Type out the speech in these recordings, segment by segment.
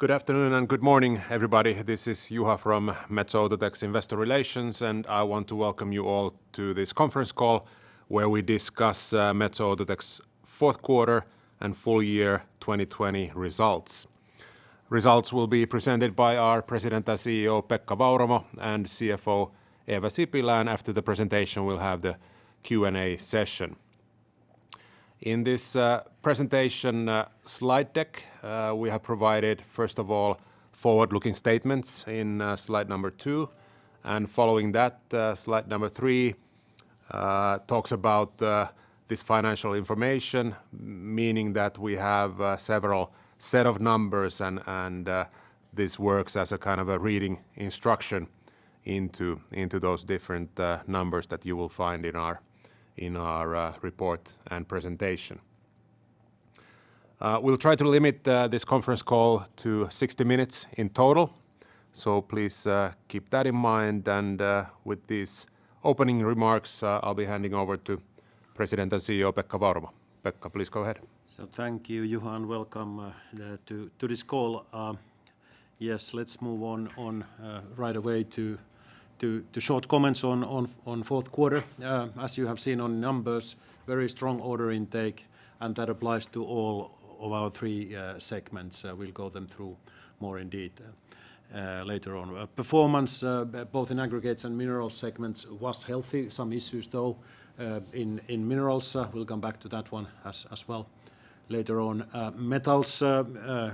Good afternoon and good morning, everybody. This is Juha from Metso Outotec Investor Relaions. I want to welcome you all to this conference call where we discuss Metso Outotec's fourth quarter and full-year 2020 results. Results will be presented by our President and CEO, Pekka Vauramo, and CFO, Eeva Sipilä. After the presentation, we'll have the Q&A session. In this presentation slide deck, we have provided, first of all, forward-looking statements in Slide number two. Following that, Slide number three talks about this financial information, meaning that we have several set of numbers, and this works as a kind of a reading instruction into those different numbers that you will find in our report and presentation. We'll try to limit this conference call to 60 minutes in total. Please keep that in mind. With these opening remarks, I'll be handing over to President and CEO, Pekka Vauramo. Pekka, please go ahead. Thank you, Juha, and welcome to this call. Let's move on right away to short comments on fourth quarter. As you have seen on numbers, very strong order intake, and that applies to all of our three segments. We'll go them through more indeed later on. Performance both in Aggregates and Minerals segments was healthy. Some issues though in Minerals. We'll come back to that one as well later on. Metals,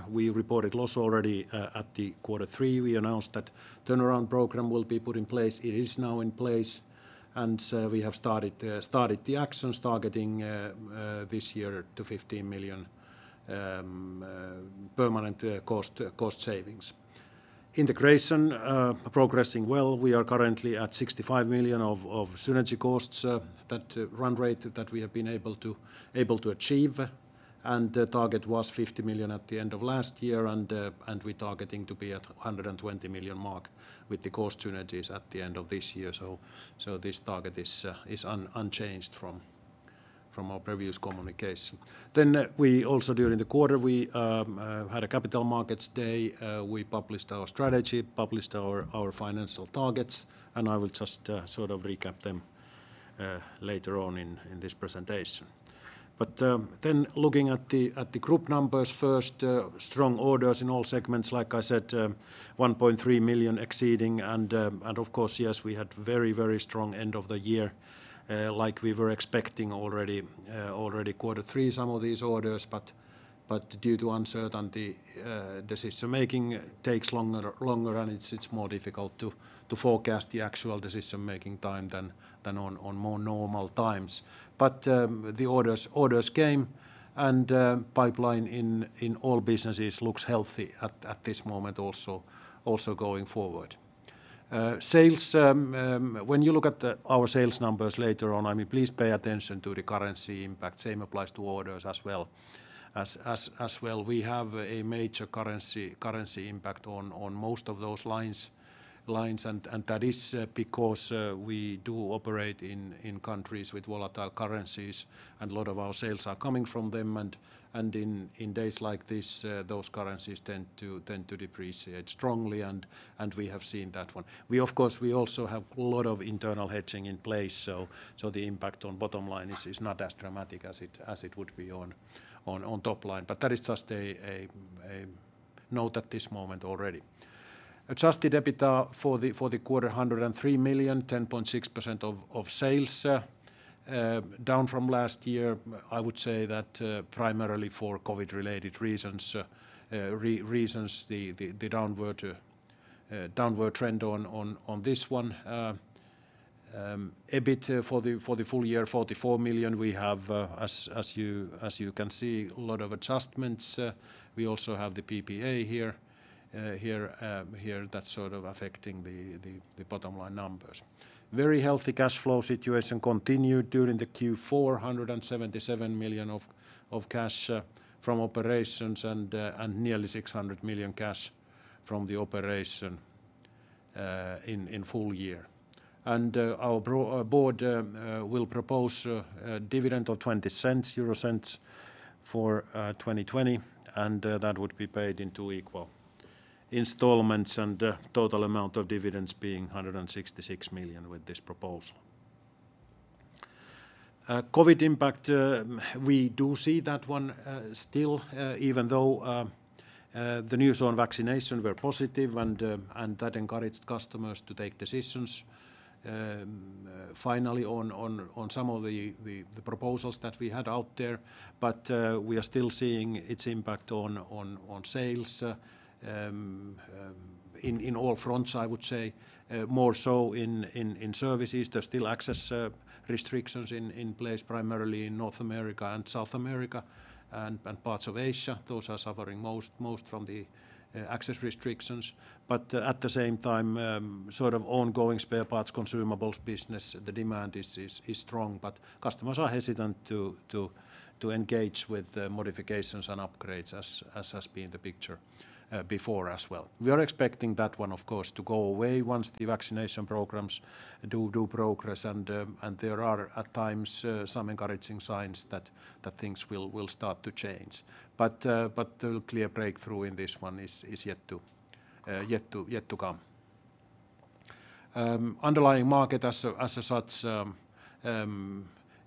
we reported loss already at the Q3. We announced that turnaround program will be put in place. It is now in place, and we have started the actions targeting this year to 15 million permanent cost savings. Integration progressing well. We are currently at 65 million of synergy costs, that run rate that we have been able to achieve, and the target was 50 million at the end of last year, and we're targeting to be at 120 million mark with the cost synergies at the end of this year. This target is unchanged from our previous communication. Also during the quarter, we had a capital markets day. We published our strategy, published our financial targets, and I will just sort of recap them later on in this presentation. Looking at the group numbers first, strong orders in all segments, like I said, 1.3 million exceeding and, of course, yes, we had very strong end of the year, like we were expecting already quarter three some of these orders, but due to uncertainty, decision-making takes longer, and it's more difficult to forecast the actual decision-making time than on more normal times. The orders came, and pipeline in all businesses looks healthy at this moment also going forward. When you look at our sales numbers later on, please pay attention to the currency impact. Same applies to orders as well. We have a major currency impact on most of those lines. That is because we do operate in countries with volatile currencies. A lot of our sales are coming from them. In days like this, those currencies tend to depreciate strongly and we have seen that one. Of course, we also have a lot of internal hedging in place. The impact on bottom line is not as dramatic as it would be on top line. That is just a note at this moment already. Adjusted EBITDA for the quarter, 103 million, 10.6% of sales. Down from last year, I would say that primarily for COVID-related reasons, the downward trend on this one. EBIT for the full-year, eur 44 million. We have, as you can see, a lot of adjustments. We also have the PPA here that's sort of affecting the bottom line numbers. Very healthy cash flow situation continued during the Q4, EUR 177 million of cash from operations and nearly EUR 600 million cash from the operation in full-year. Our board will propose a dividend of 0.20 for 2020, that would be paid in two equal installments, total amount of dividends being EUR 166 million with this proposal. COVID impact, we do see that one still, even though the news on vaccination were positive, that encouraged customers to take decisions finally on some of the proposals that we had out there. We are still seeing its impact on sales in all fronts, I would say. More so in services. There's still access restrictions in place, primarily in North America and South America and parts of Asia. Those are suffering most from the access restrictions. At the same time, sort of ongoing spare parts consumables business, the demand is strong, but customers are hesitant to engage with modifications and upgrades as has been the picture before as well. We are expecting that one, of course, to go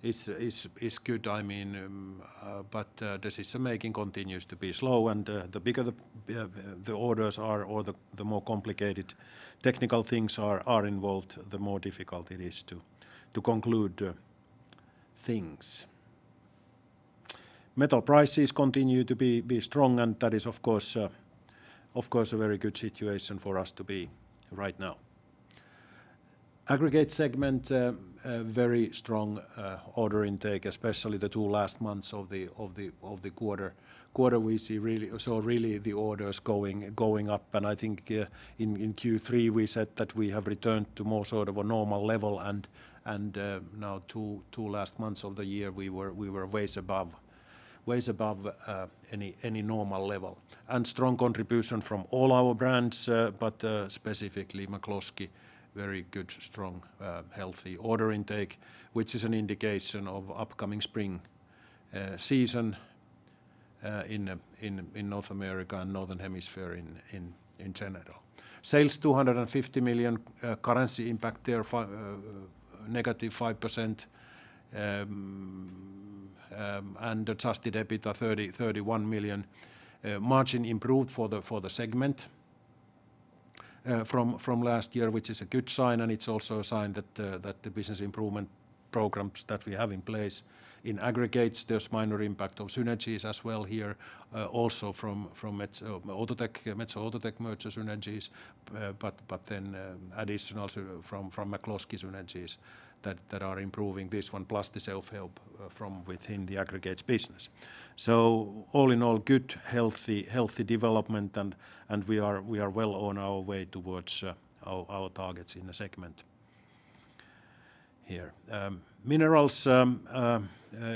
away once the vaccination programs do progress, and there are, at times, some encouraging signs that things will start to change. The clear breakthrough in this one is yet to come. Underlying market as such is good, but decision-making continues to be slow. The bigger the orders are or the more complicated technical things are involved, the more difficult it is to conclude things. Metal prices continue to be strong, and that is, of course, a very good situation for us to be in right now. Aggregate segment, very strong order intake, especially the two last months of the quarter. We saw really the orders going up, and I think in Q3, we said that we have returned to more of a normal level. Now two last months of the year, we were ways above any normal level. Strong contribution from all our brands, but specifically McCloskey, very good, strong, healthy order intake, which is an indication of upcoming spring season in North America and Northern Hemisphere in general. Sales 250 million, currency impact there negative 5%, and adjusted EBITDA 31 million. Margin improved for the segment from last year, which is a good sign, and it's also a sign that the business improvement programs that we have in place in aggregates, there's minor impact of synergies as well here, also from Metso Outotec merger synergies, but then additional from McCloskey synergies that are improving this one, plus the self-help from within the aggregates business. All in all, good, healthy development, and we are well on our way towards our targets in the segment here. Minerals,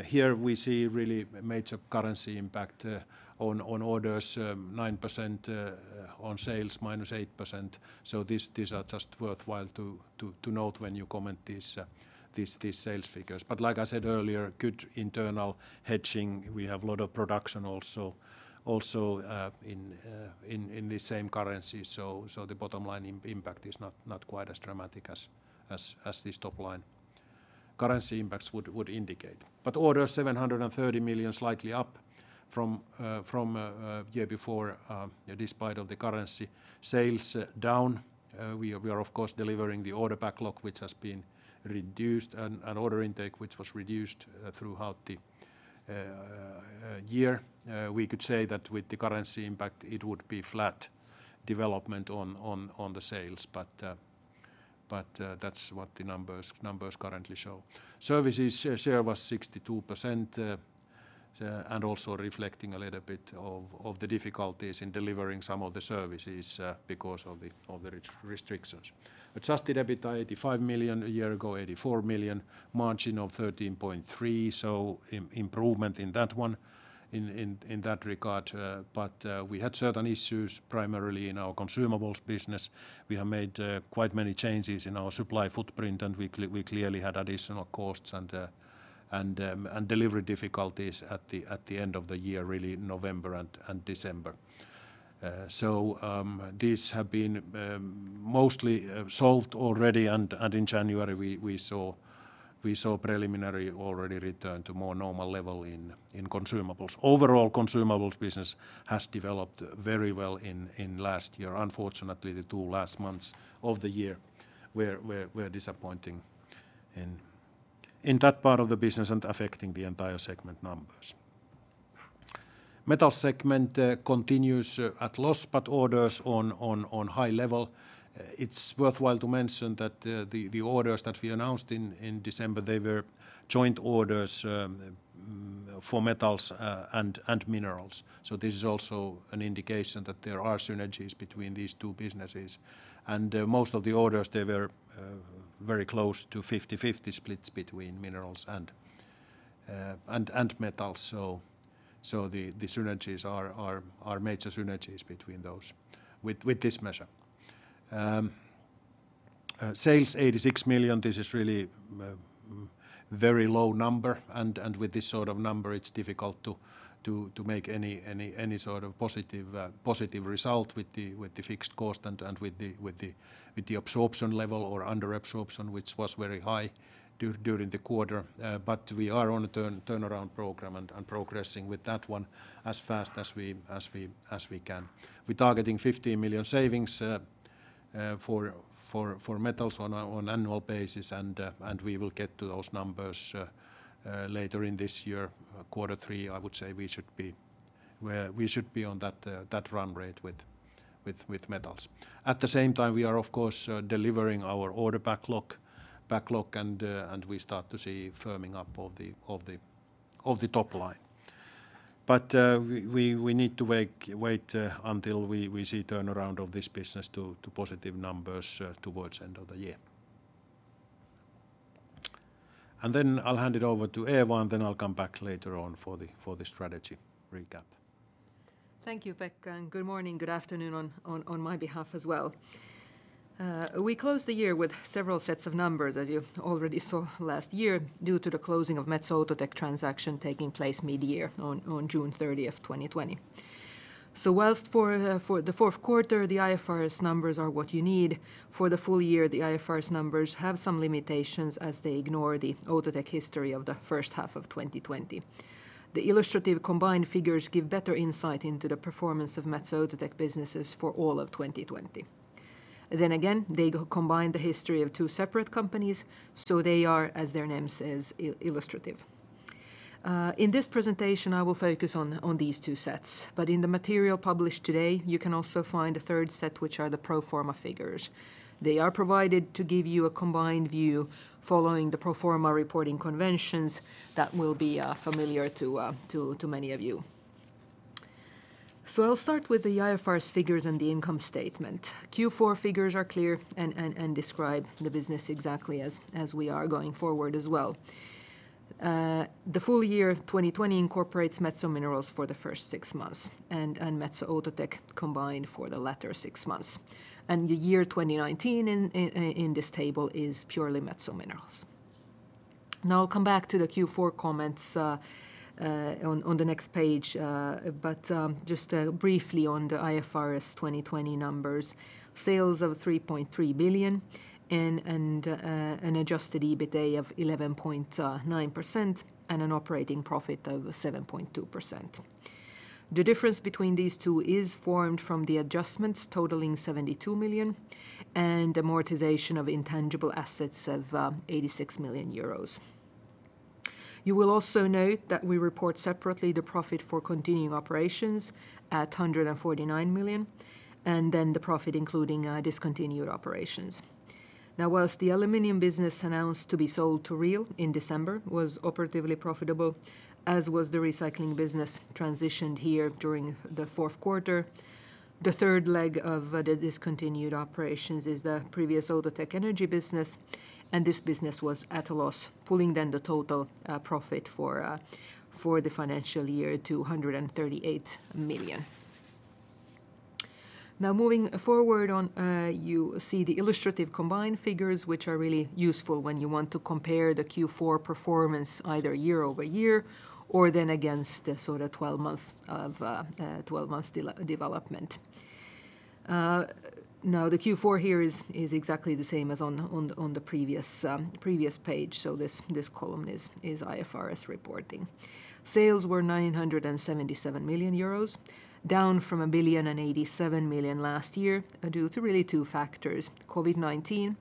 here we see really major currency impact on orders, 9%, on sales -8%. These are just worthwhile to note when you comment these sales figures. Like I said earlier, good internal hedging. We have a lot of production also in the same currency. The bottom line impact is not quite as dramatic as this top-line currency impacts would indicate. Orders 730 million, slightly up from year before despite of the currency. Sales down. We are of course delivering the order backlog, which has been reduced, and order intake, which was reduced throughout the year. We could say that with the currency impact, it would be flat development on the sales, but that's what the numbers currently show. Services share was 62%, also reflecting a little bit of the difficulties in delivering some of the services because of the restrictions. Adjusted EBITDA 85 million, a year ago, 84 million, margin of 13.3%. Improvement in that one, in that regard. We had certain issues primarily in our consumables business. We have made quite many changes in our supply footprint, we clearly had additional costs and delivery difficulties at the end of the year, really November and December. These have been mostly solved already, in January, we saw preliminary already return to more normal level in consumables. Overall consumables business has developed very well in last year. Unfortunately, the two last months of the year were disappointing in that part of the business and affecting the entire segment numbers. Metal segment continues at loss, orders on high level. It's worthwhile to mention that the orders that we announced in December, they were joint orders for Metals and Minerals. This is also an indication that there are synergies between these two businesses. Most of the orders, they were very close to 50-50 splits between Minerals and Metals. The synergies are major synergies between those with this measure. Sales 86 million. This is really very low number, and with this sort of number, it's difficult to make any sort of positive result with the fixed cost and with the absorption level or under absorption, which was very high during the quarter. We are on a turnaround program and progressing with that one as fast as we can. We're targeting 15 million savings for Metals on annual basis, and we will get to those numbers later in this year. Quarter 3, I would say we should be on that run rate with metals. At the same time, we are of course delivering our order backlog, and we start to see firming up of the top line. We need to wait until we see turnaround of this business to positive numbers towards end of the year. I'll hand it over to Eeva, and then I'll come back later on for the strategy recap. Thank you, Pekka. Good morning, good afternoon on my behalf as well. We closed the year with several sets of numbers, as you've already saw last year, due to the closing of Metso Outotec transaction taking place mid-year on June 30th, 2020. Whilst for the fourth quarter, the IFRS numbers are what you need, for the full-year, the IFRS numbers have some limitations as they ignore the Outotec history of the first half of 2020. The illustrative combined figures give better insight into the performance of Metso Outotec businesses for all of 2020. Again, they combine the history of two separate companies, so they are, as their name says, illustrative. In this presentation, I will focus on these two sets. In the material published today, you can also find a third set, which are the pro forma figures. They are provided to give you a combined view following the pro forma reporting conventions that will be familiar to many of you. I'll start with the IFRS figures and the income statement. Q4 figures are clear and describe the business exactly as we are going forward as well. The full-year 2020 incorporates Metso Minerals for the first six months and Metso Outotec combined for the latter six months. The year 2019 in this table is purely Metso Minerals. I'll come back to the Q4 comments on the next page, but just briefly on the IFRS 2020 numbers. Sales of 3.3 billion and an adjusted EBITA of 11.9% and an operating profit of 7.2%. The difference between these two is formed from the adjustments totaling 72 million and amortization of intangible assets of 86 million euros. You will also note that we report separately the profit for continuing operations at 149 million, and then the profit including discontinued operations. Whilst the aluminum business announced to be sold to RIO in December was operatively profitable, as was the recycling business transitioned here during the fourth quarter, the third leg of the discontinued operations is the previous Outotec Energy business, and this business was at a loss, pulling then the total profit for the financial year to 138 million. Moving forward, you see the illustrative combined figures, which are really useful when you want to compare the Q4 performance either year-over-year or then against the sort of 12 months development. The Q4 here is exactly the same as on the previous page. This column is IFRS reporting. Sales were 977 million euros, down from 1,087 million last year due to really two factors, COVID-19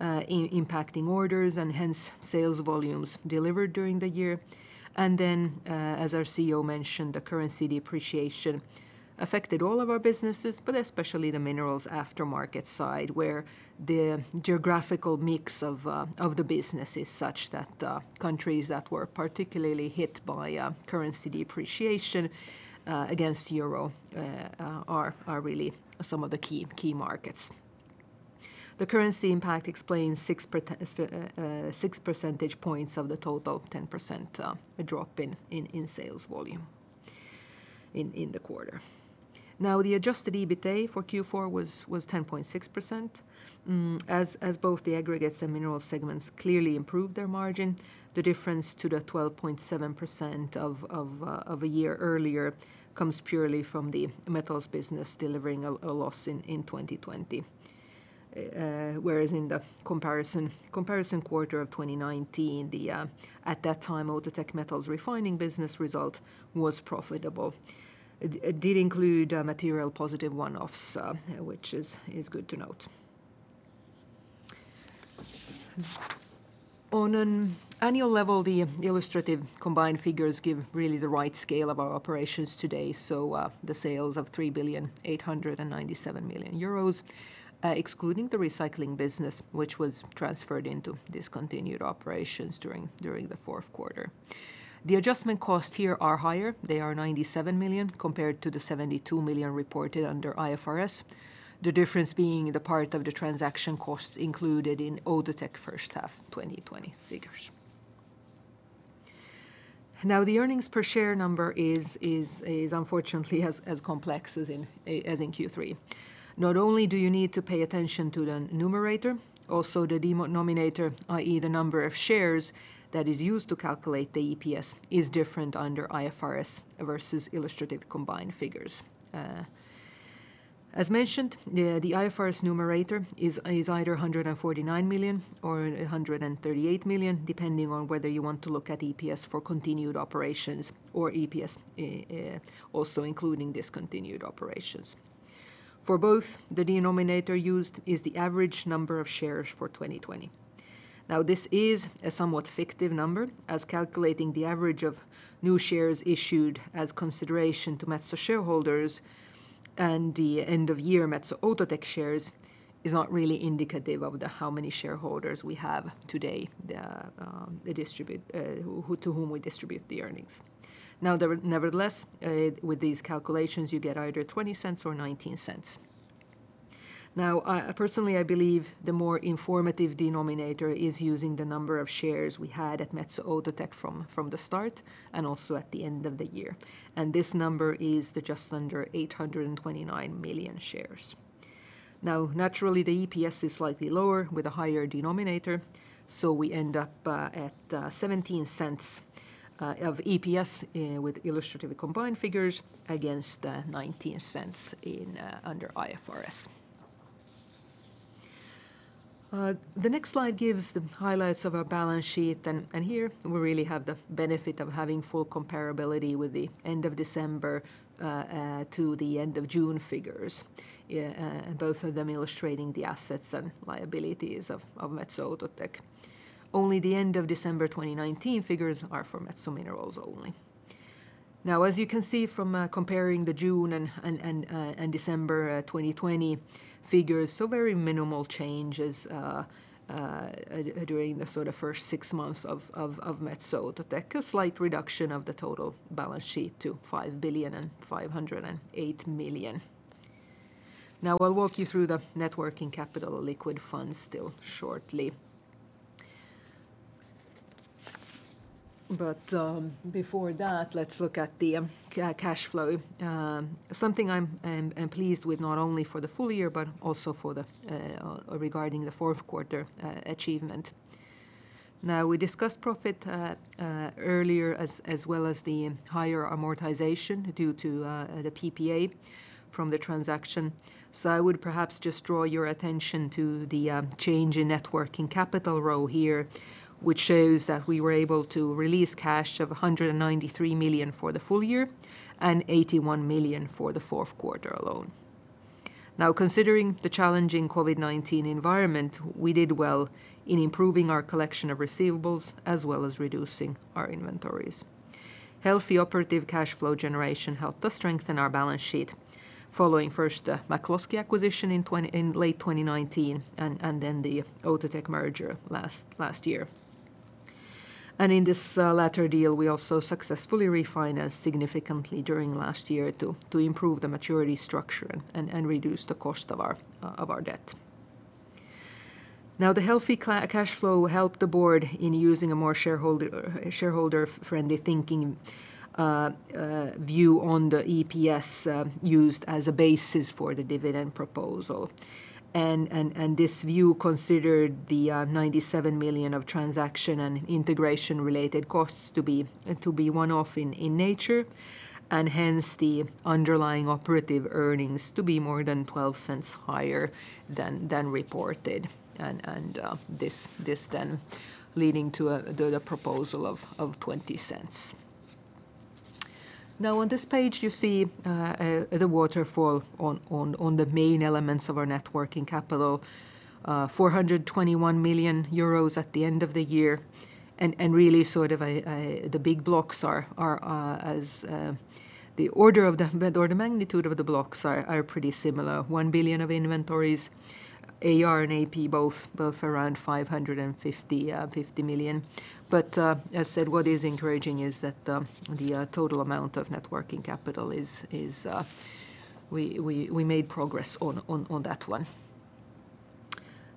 impacting orders and hence sales volumes delivered during the year. Then, as our CEO mentioned, the currency depreciation affected all of our businesses, but especially the minerals aftermarket side, where the geographical mix of the business is such that countries that were particularly hit by currency depreciation against EUR are really some of the key markets. The currency impact explains six percentage points of the total 10% drop in sales volume in the quarter. Now the adjusted EBITA for Q4 was 10.6%. As both the aggregates and mineral segments clearly improved their margin, the difference to the 12.7% of a year earlier comes purely from the metals business delivering a loss in 2020. In the comparison quarter of 2019, at that time Outotec metals refining business result was profitable. It did include material positive one-offs, which is good to note. On an annual level, the illustrative combined figures give really the right scale of our operations today. The sales of 3,897,000,000 euros, excluding the recycling business, which was transferred into discontinued operations during the fourth quarter. The adjustment costs here are higher. They are 97 million compared to the 72 million reported under IFRS. The difference being the part of the transaction costs included in Outotec first half 2020 figures. The earnings per share number is unfortunately as complex as in Q3. Not only do you need to pay attention to the numerator, also the denominator, i.e. the number of shares that is used to calculate the EPS, is different under IFRS versus illustrative combined figures. As mentioned, the IFRS numerator is either 149 million or 138 million, depending on whether you want to look at EPS for continued operations or EPS also including discontinued operations. For both, the denominator used is the average number of shares for 2020. This is a somewhat fictive number as calculating the average of new shares issued as consideration to Metso shareholders and the end of year Metso Outotec shares is not really indicative of how many shareholders we have today to whom we distribute the earnings. Nevertheless, with these calculations you get either 0.20 or 0.19. Personally, I believe the more informative denominator is using the number of shares we had at Metso Outotec from the start and also at the end of the year. This number is the just under 829 million shares. Naturally, the EPS is slightly lower with a higher denominator, so we end up at 0.17 of EPS with illustrative combined figures against 0.19 under IFRS. The next slide gives the highlights of our balance sheet, and here we really have the benefit of having full comparability with the end of December to the end of June figures, both of them illustrating the assets and liabilities of Metso Outotec. Only the end of December 2019 figures are for Metso Minerals only. As you can see from comparing the June and December 2020 figures, so very minimal changes during the first six months of Metso Outotec. A slight reduction of the total balance sheet to 5.508 billion. I'll walk you through the net working capital liquid funds still shortly. Before that, let's look at the cash flow. Something I'm pleased with not only for the full-year, but also regarding the fourth quarter achievement. We discussed profit earlier as well as the higher amortization due to the PPA from the transaction. I would perhaps just draw your attention to the change in net working capital row here, which shows that we were able to release cash of 193 million for the full-year and 81 million for the fourth quarter alone. Considering the challenging COVID-19 environment, we did well in improving our collection of receivables as well as reducing our inventories. Healthy operative cash flow generation helped us strengthen our balance sheet following first the McCloskey acquisition in late 2019 and then the Outotec merger last year. In this latter deal, we also successfully refinanced significantly during last year to improve the maturity structure and reduce the cost of our debt. The healthy cash flow helped the board in using a more shareholder-friendly thinking view on the EPS used as a basis for the dividend proposal. This view considered the 97 million of transaction and integration related costs to be one-off in nature, and hence the underlying operative earnings to be more than 0.12 higher than reported, this then leading to the proposal of 0.20. On this page, you see the waterfall on the main elements of our net working capital, 421 million euros at the end of the year. Really the big blocks are as the order of the magnitude of the blocks are pretty similar. 1 billion of inventories, AR and AP both around 550 million. As said, what is encouraging is that the total amount of net working capital, we made progress on that one.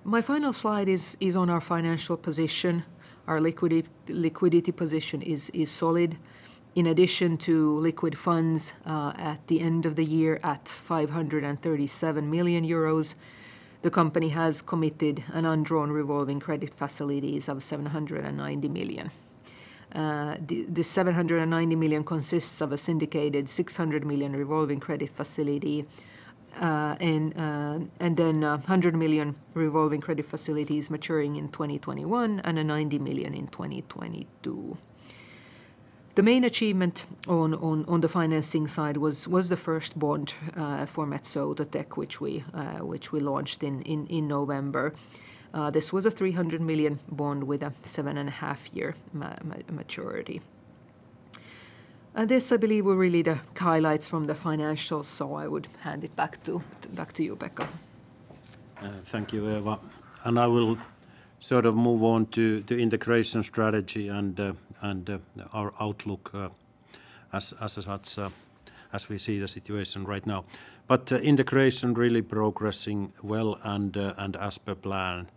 My final slide is on our financial position. Our liquidity position is solid. In addition to liquid funds at the end of the year at 537 million euros, the company has committed an undrawn revolving credit facilities of 790 million. The 790 million consists of a syndicated 600 million revolving credit facility, then 100 million revolving credit facilities maturing in 2021 and 90 million in 2022. The main achievement on the financing side was the first bond for Metso Outotec, which we launched in November. This was a 300 million bond with a seven-and-a-half year maturity. This, I believe, were really the highlights from the financials, I would hand it back to you, Pekka. Thank you, Eeva. I will move on to integration strategy and our outlook as we see the situation right now. Integration really progressing well and as per plan.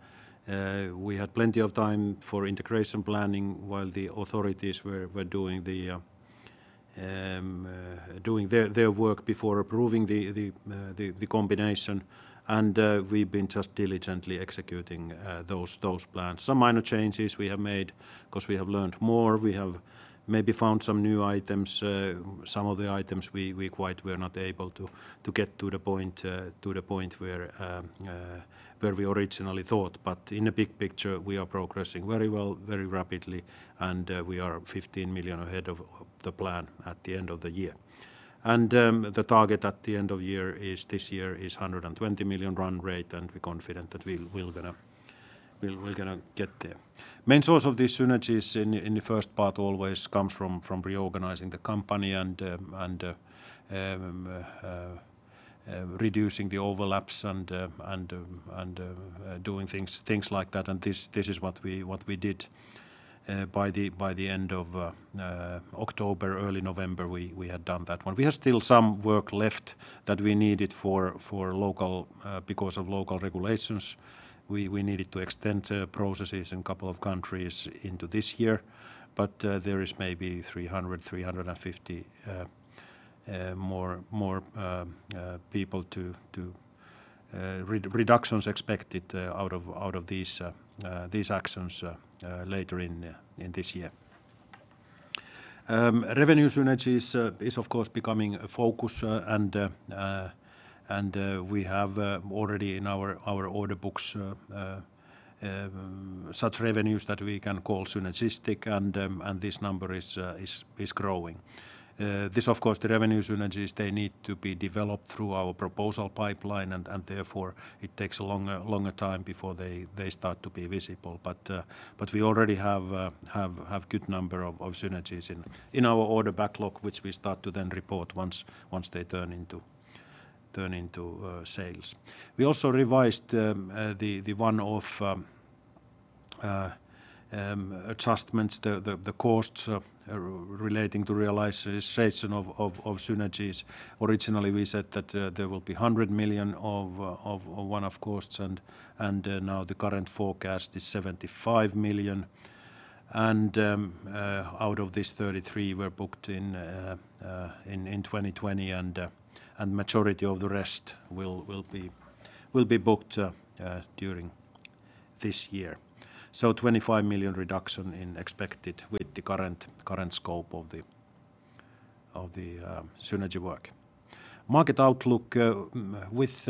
We had plenty of time for integration planning while the authorities were doing their work before approving the combination. We've been just diligently executing those plans. Some minor changes we have made because we have learned more. We have maybe found some new items, some of the items we quite were not able to get to the point where we originally thought. In the big picture, we are progressing very well, very rapidly, and we are 15 million ahead of the plan at the end of the year. The target at the end of year this year is 120 million run rate, and we're confident that we're going to get there. Main source of these synergies in the first part always comes from reorganizing the company and reducing the overlaps and doing things like that. This is what we did by the end of October, early November, we had done that one. We have still some work left that we needed because of local regulations. We needed to extend processes in a couple of countries into this year. There is maybe 300,000, 350,000more people to reductions expected out of these actions later in this year. Revenue synergies is, of course, becoming a focus and we have already in our order books such revenues that we can call synergistic, and this number is growing. Of course, the revenue synergies need to be developed through our proposal pipeline, and therefore it takes a longer time before they start to be visible. We already have good number of synergies in our order backlog, which we start to then report once they turn into sales. We also revised the one-off adjustments, the costs relating to realization of synergies. Originally, we said that there will be 100 million of one-off costs, and now the current forecast is 75 million. Out of this, 33 million were booked in 2020, and majority of the rest will be booked during this year. 25 million reduction expected with the current scope of the synergy work. Market outlook. With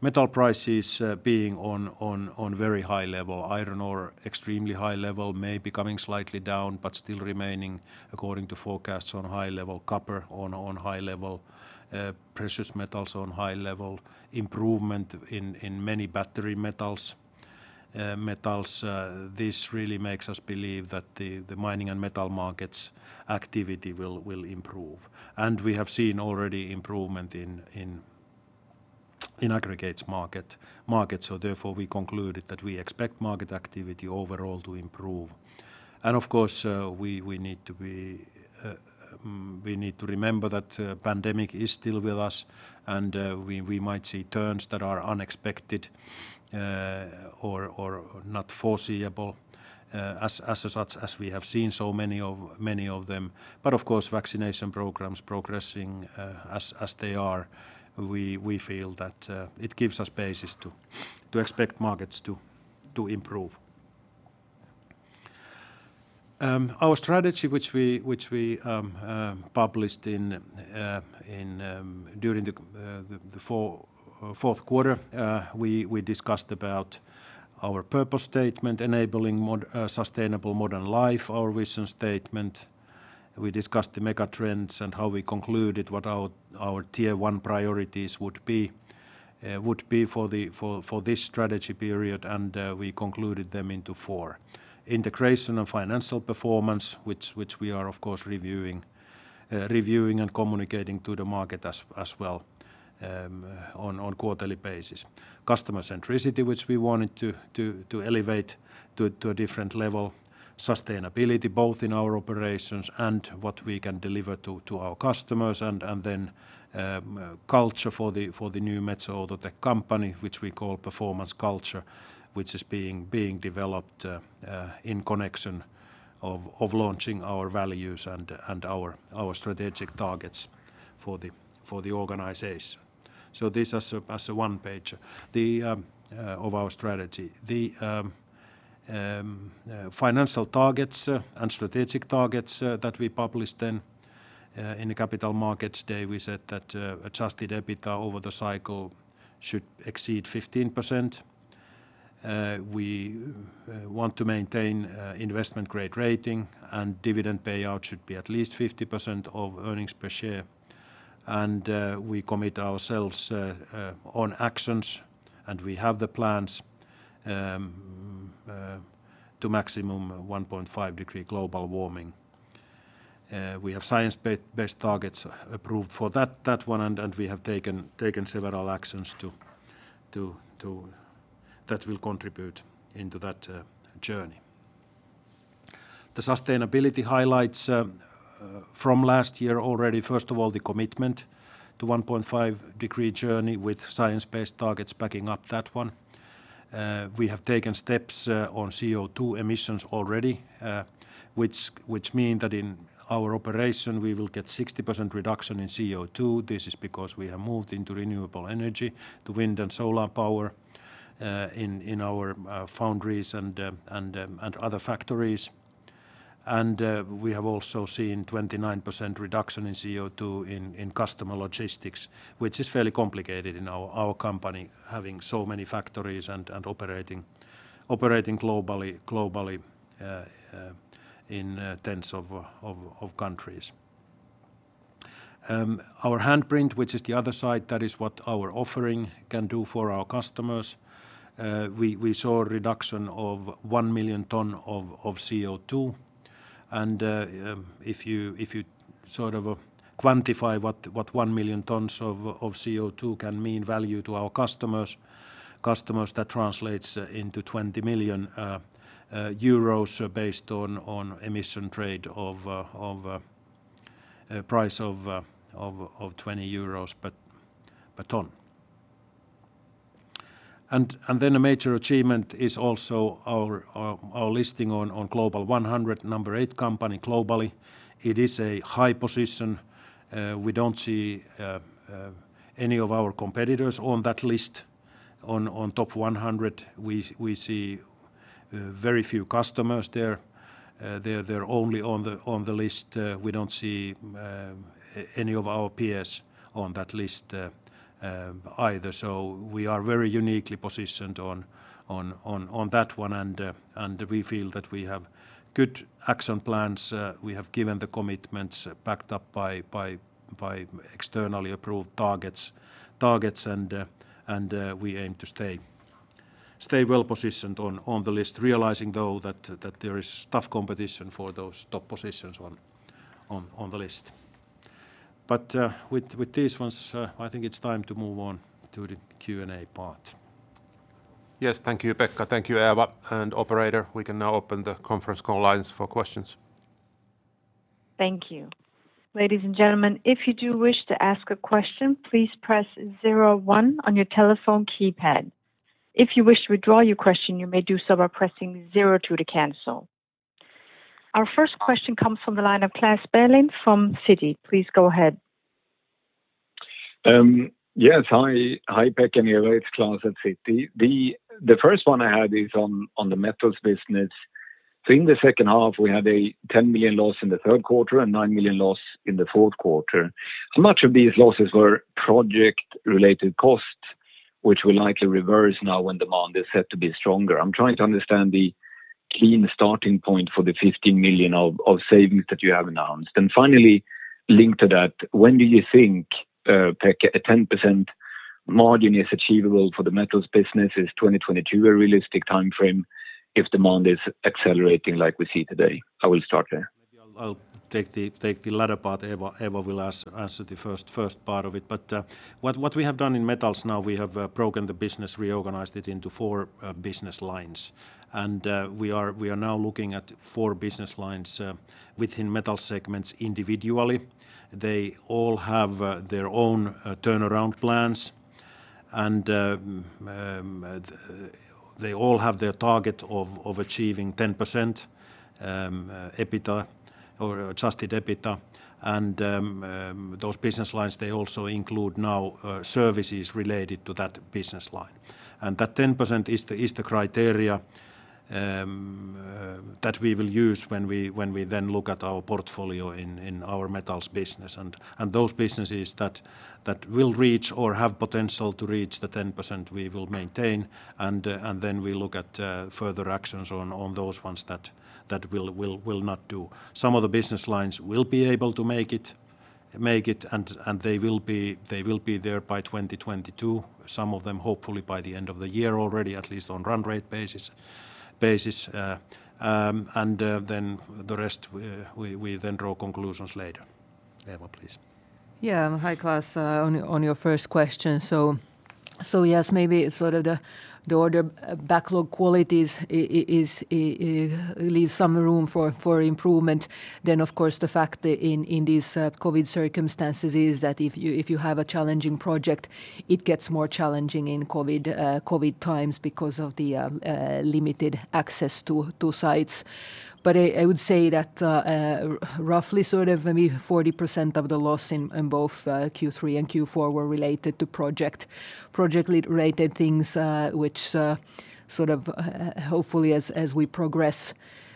metal prices being on very high level, iron ore extremely high level, maybe coming slightly down, but still remaining according to forecasts on high level, copper on high level, precious metals on high level, improvement in many battery metals. This really makes us believe that the mining and metal markets activity will improve. We have seen already improvement in aggregates market. Therefore we concluded that we expect market activity overall to improve. Of course, we need to remember that pandemic is still with us and we might see turns that are unexpected or not foreseeable as we have seen so many of them. Of course, vaccination programs progressing as they are, we feel that it gives us basis to expect markets to improve. Our strategy, which we published during the fourth quarter, we discussed about our purpose statement, enabling sustainable modern life, our vision statement. We discussed the mega trends and how we concluded what our Tier 1 priorities would be for this strategy period, we concluded them into four. Integration and financial performance, which we are of course reviewing and communicating to the market as well on quarterly basis. Customer centricity, which we wanted to elevate to a different level. Sustainability, both in our operations and what we can deliver to our customers. Culture for the new Metso, the tech company, which we call performance culture, which is being developed in connection of launching our values and our strategic targets for the organization. This as a one-page of our strategy. The financial targets and strategic targets that we published then in the Capital Markets Day, we said that adjusted EBITDA over the cycle should exceed 15%. We want to maintain investment-grade rating, and dividend payout should be at least 50% of earnings per share. We commit ourselves on actions, and we have the plans to maximum 1.5 degree global warming. We have science-based targets approved for that one, and we have taken several actions that will contribute into that journey. The sustainability highlights from last year already, first of all, the commitment to 1.5 degree journey with science-based targets backing up that one. We have taken steps on CO2 emissions already, which mean that in our operation, we will get 60% reduction in CO2. This is because we have moved into renewable energy, to wind and solar power in our foundries and other factories. We have also seen 29% reduction in CO2 in customer logistics, which is fairly complicated in our company, having so many factories and operating globally in tens of countries. Our handprint, which is the other side, that is what our offering can do for our customers. We saw a reduction of 1 million ton of CO2. If you quantify what 1 million tons of CO2 can mean value to our customers, that translates into 20 million euros based on emission trade of price of 20 euros per ton. A major achievement is also our listing on Global 100, number eight company globally. It is a high position. We don't see any of our competitors on that list. On top 100, we see very few customers there. They're only on the list. We don't see any of our peers on that list either. We are very uniquely positioned on that one. We feel that we have good action plans. We have given the commitments backed up by externally approved targets. We aim to stay well-positioned on the list, realizing though that there is tough competition for those top positions on the list. With these ones, I think it's time to move on to the Q&A part. Yes. Thank you, Pekka. Thank you, Eeva. Operator, we can now open the conference call lines for questions. Thank you. Ladies and gentlemen if you do wish to ask a question please press zero one on your telephone keypad. If you wish to withdraw your question you may do so by pressing zero two to cancel. Our first question comes from the line of Klas Bergelind from Citi. Please go ahead. Yes. Hi, Pekka and Eeva. It's Klas at Citi. The first one I had is on the metals business. In the second half, we had a 10 million loss in the third quarter and 9 million loss in the fourth quarter. Much of these losses were project-related costs, which will likely reverse now when demand is set to be stronger. I'm trying to understand the clean starting point for the 15 million of savings that you have announced. Finally, linked to that, when do you think, Pekka, a 10% margin is achievable for the metals business? Is 2022 a realistic timeframe if demand is accelerating like we see today? I will start there. Maybe I'll take the latter part. Eeva will answer the first part of it. What we have done in Metso now, we have broken the business, reorganized it into four business lines. We are now looking at four business lines within Metso segments individually. They all have their own turnaround plans, and they all have their target of achieving 10% adjusted EBITDA. Those business lines, they also include now services related to that business line. That 10% is the criteria that we will use when we then look at our portfolio in our Metso business. Those businesses that will reach or have potential to reach the 10%, we will maintain, and then we look at further actions on those ones that will not do. Some of the business lines will be able to make it, and they will be there by 2022. Some of them hopefully by the end of the year already, at least on run rate basis. The rest, we then draw conclusions later. Eeva, please. Yeah. Hi, Klas. On your first question, yes, maybe sort of the order backlog qualities leaves some room for improvement. Of course, the fact in these COVID circumstances is that if you have a challenging project, it gets more challenging in COVID times because of the limited access to sites. I would say that roughly sort of maybe 40% of the loss in both Q3 and Q4 were related to project-related things, which sort of hopefully as we progress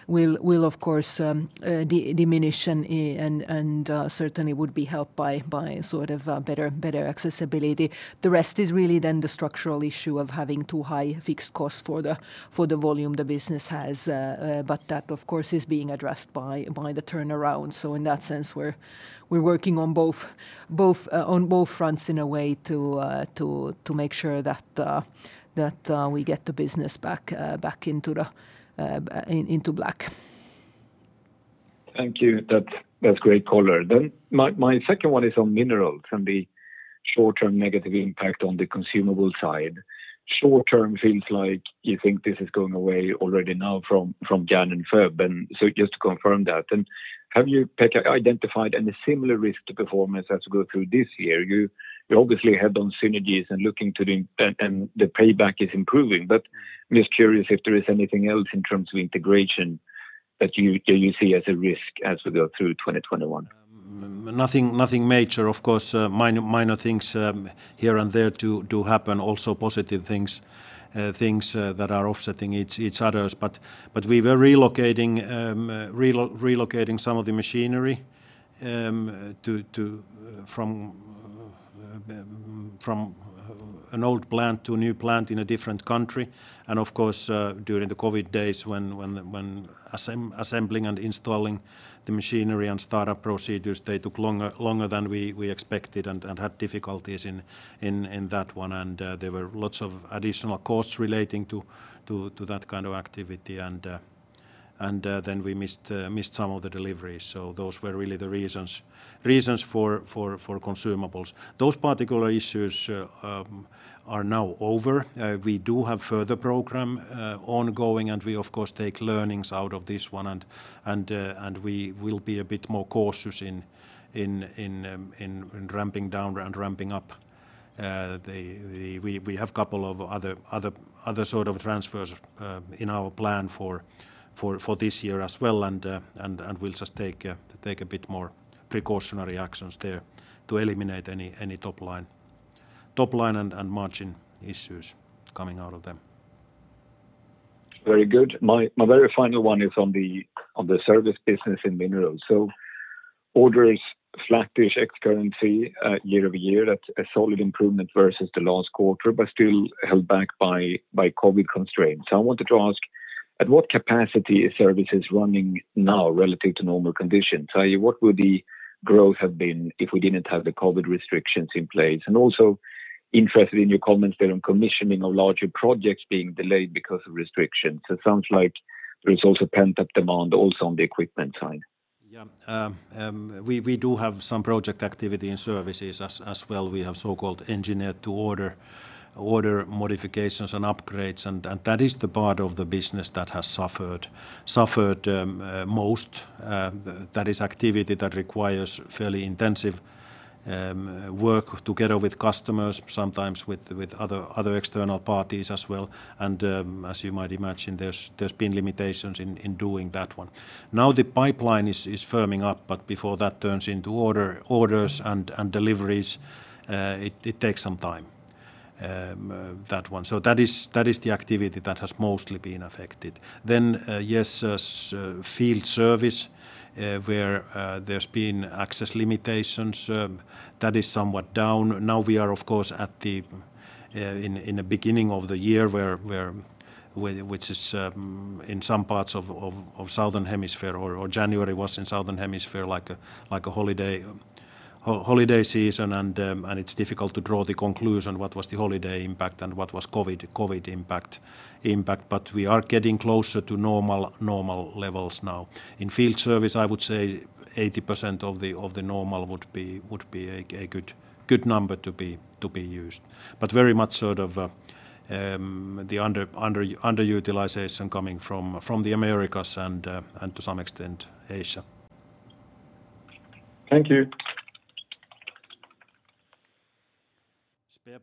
will of course diminish, and certainly would be helped by better accessibility. The rest is really then the structural issue of having too high fixed costs for the volume the business has. That, of course, is being addressed by the turnaround. In that sense, we're working on both fronts in a way to make sure that we get the business back into black. Thank you. That's great color. My second one is on minerals and the short-term negative impact on the consumable side. Short term feels like you think this is going away already now from Jan and Feb, just to confirm that. Have you, Pekka, identified any similar risk to performance as we go through this year? You obviously had on synergies and the payback is improving, but I'm just curious if there is anything else in terms of integration that you see as a risk as we go through 2021. Nothing major. Of course, minor things here and there do happen, also positive things that are offsetting each other. We were relocating some of the machinery from an old plant to a new plant in a different country. Of course, during the COVID days when assembling and installing the machinery and startup procedures, they took longer than we expected and had difficulties in that one. There were lots of additional costs relating to that kind of activity, and then we missed some of the deliveries. Those were really the reasons for consumables. Those particular issues are now over. We do have further program ongoing, and we of course take learnings out of this one, and we will be a bit more cautious in ramping up. We have couple of other transfers in our plan for this year as well, and we'll just take a bit more precautionary actions there to eliminate any top line and margin issues coming out of them. Very good. My very final one is on the service business in Minerals. Orders flattish ex currency year-over-year, that's a solid improvement versus the last quarter, but still held back by COVID constraints. I wanted to ask, at what capacity is services running now relative to normal conditions? Tell you, what would the growth have been if we didn't have the COVID restrictions in place? Also interested in your comments there on commissioning of larger projects being delayed because of restrictions. It sounds like there is also pent-up demand also on the equipment side. Yeah. We do have some project activity in services as well. We have so-called engineer to order modifications and upgrades, and that is the part of the business that has suffered most. That is activity that requires fairly intensive work together with customers, sometimes with other external parties as well. As you might imagine, there's been limitations in doing that one. Now the pipeline is firming up, but before that turns into orders and deliveries, it takes some time, that one. That is the activity that has mostly been affected. Yes, field service where there's been access limitations, that is somewhat down. We are, of course, in the beginning of the year, which is in some parts of Southern Hemisphere, or January was in Southern Hemisphere like a holiday season. It's difficult to draw the conclusion what was the holiday impact and what was COVID impact. We are getting closer to normal levels now. In field service, I would say 80% of the normal would be a good number to be used, very much the underutilization coming from the Americas and to some extent Asia. Thank you.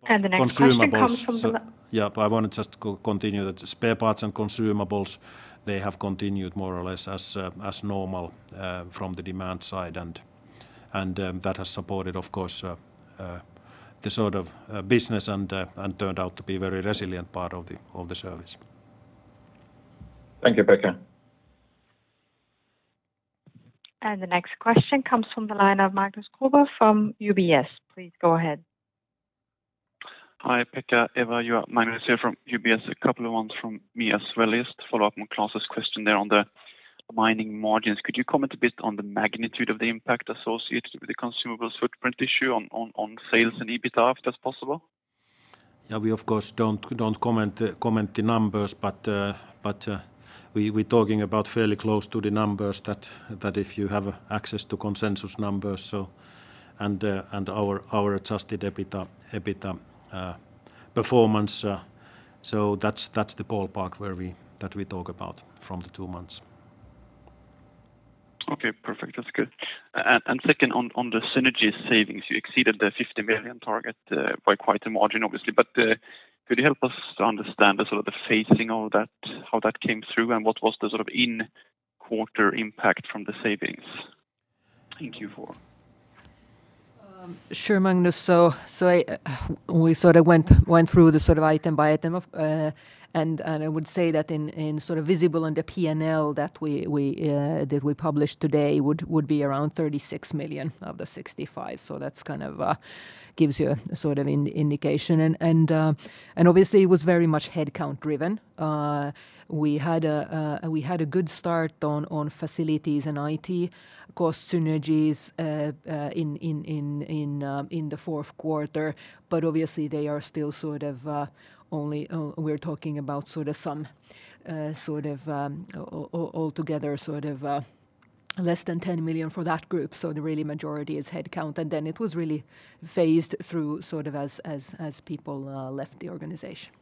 The next question comes from the. Yeah, I want to just continue that spare parts and consumables, they have continued more or less as normal from the demand side, and that has supported, of course, the business and turned out to be very resilient part of the service. Thank you, Pekka. The next question comes from the line of Magnus Kruber from UBS. Please go ahead. Hi, Pekka, Eeva. Magnus here from UBS. A couple of ones from me as well. Just follow up on Klas' question there on the mining margins. Could you comment a bit on the magnitude of the impact associated with the consumables footprint issue on sales and EBITDA, if that's possible? We, of course, don't comment the numbers, but we're talking about fairly close to the numbers that if you have access to consensus numbers, and our adjusted EBITDA performance. That's the ballpark that we talk about from the two months. Okay, perfect. That's good. Second, on the synergy savings, you exceeded the 50 million target by quite a margin, obviously. Could you help us understand the phasing of that, how that came through, and what was the in-quarter impact from the savings in Q4? Sure, Magnus. We went through the item by item, and I would say that in visible under P&L that we published today would be around 36 million of the 65. That gives you an indication. Obviously, it was very much headcount driven. We had a good start on facilities and IT cost synergies in the fourth quarter. Obviously, they are still only we're talking about some altogether less than 10 million for that group. The really majority is headcount. It was really phased through as people left the organization.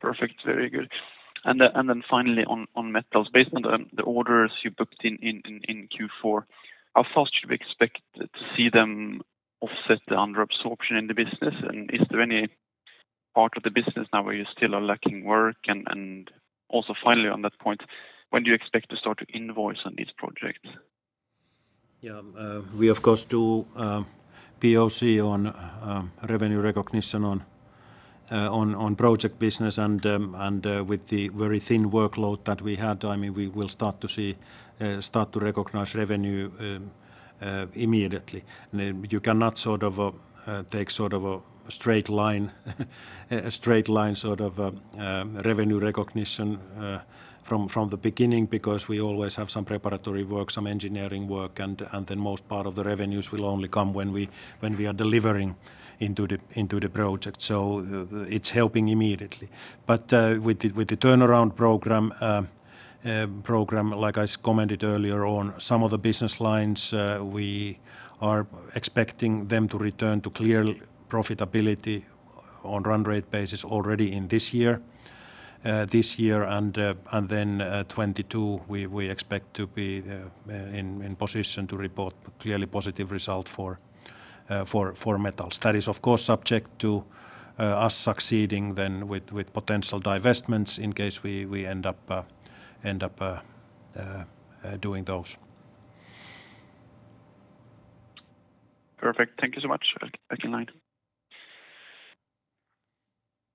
Perfect. Very good. Finally on Metso. Based on the orders you booked in Q4, how fast should we expect to see them offset the under absorption in the business? Is there any part of the business now where you still are lacking work? Finally on that point, when do you expect to start to invoice on these projects? We, of course, do POC on revenue recognition on project business and with the very thin workload that we had, we will start to recognize revenue immediately. You cannot take a straight line revenue recognition from the beginning because we always have some preparatory work, some engineering work, and then most part of the revenues will only come when we are delivering into the project. It's helping immediately. With the turnaround program, like I commented earlier on, some of the business lines we are expecting them to return to clear profitability. On run rate basis already in this year. 2022, we expect to be in position to report clearly positive result for Metso. That is, of course, subject to us succeeding then with potential divestments in case we end up doing those. Perfect. Thank you so much. Back in line.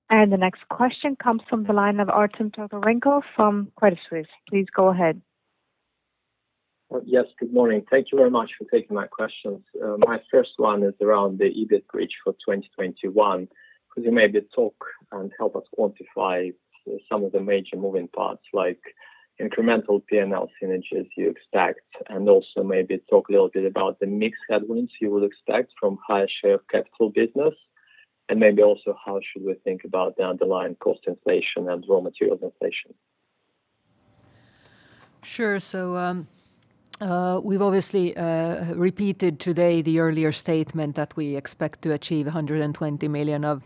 The next question comes from the line of Artem Tokarenko from Credit Suisse. Please go ahead. Yes, good morning. Thank you very much for taking my questions. My first one is around the EBIT bridge for 2021. Could you maybe talk and help us quantify some of the major moving parts, like incremental P&L synergies you expect, and also maybe talk a little bit about the mix headwinds you would expect from higher share of capital business? Maybe also how should we think about the underlying cost inflation and raw material inflation? Sure. We've obviously repeated today the earlier statement that we expect to achieve 120 million of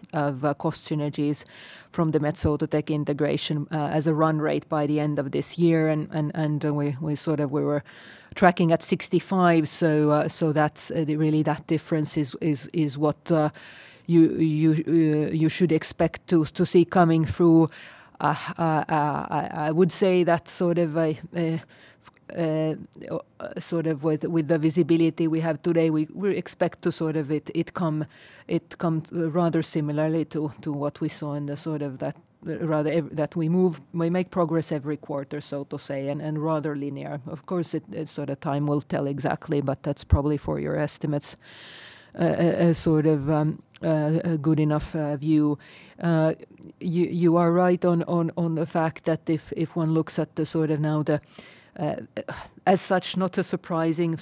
cost synergies from the Metso Outotec integration as a run rate by the end of this year. We were tracking at 65 million, so really that difference is what you should expect to see coming through. I would say that with the visibility we have today, we expect it to come rather similarly to what we saw That we make progress every quarter, so to say, and rather linear. Of course, time will tell exactly, but that's probably for your estimates a good enough view. You are right on the fact that if one looks at the, as such, not a surprising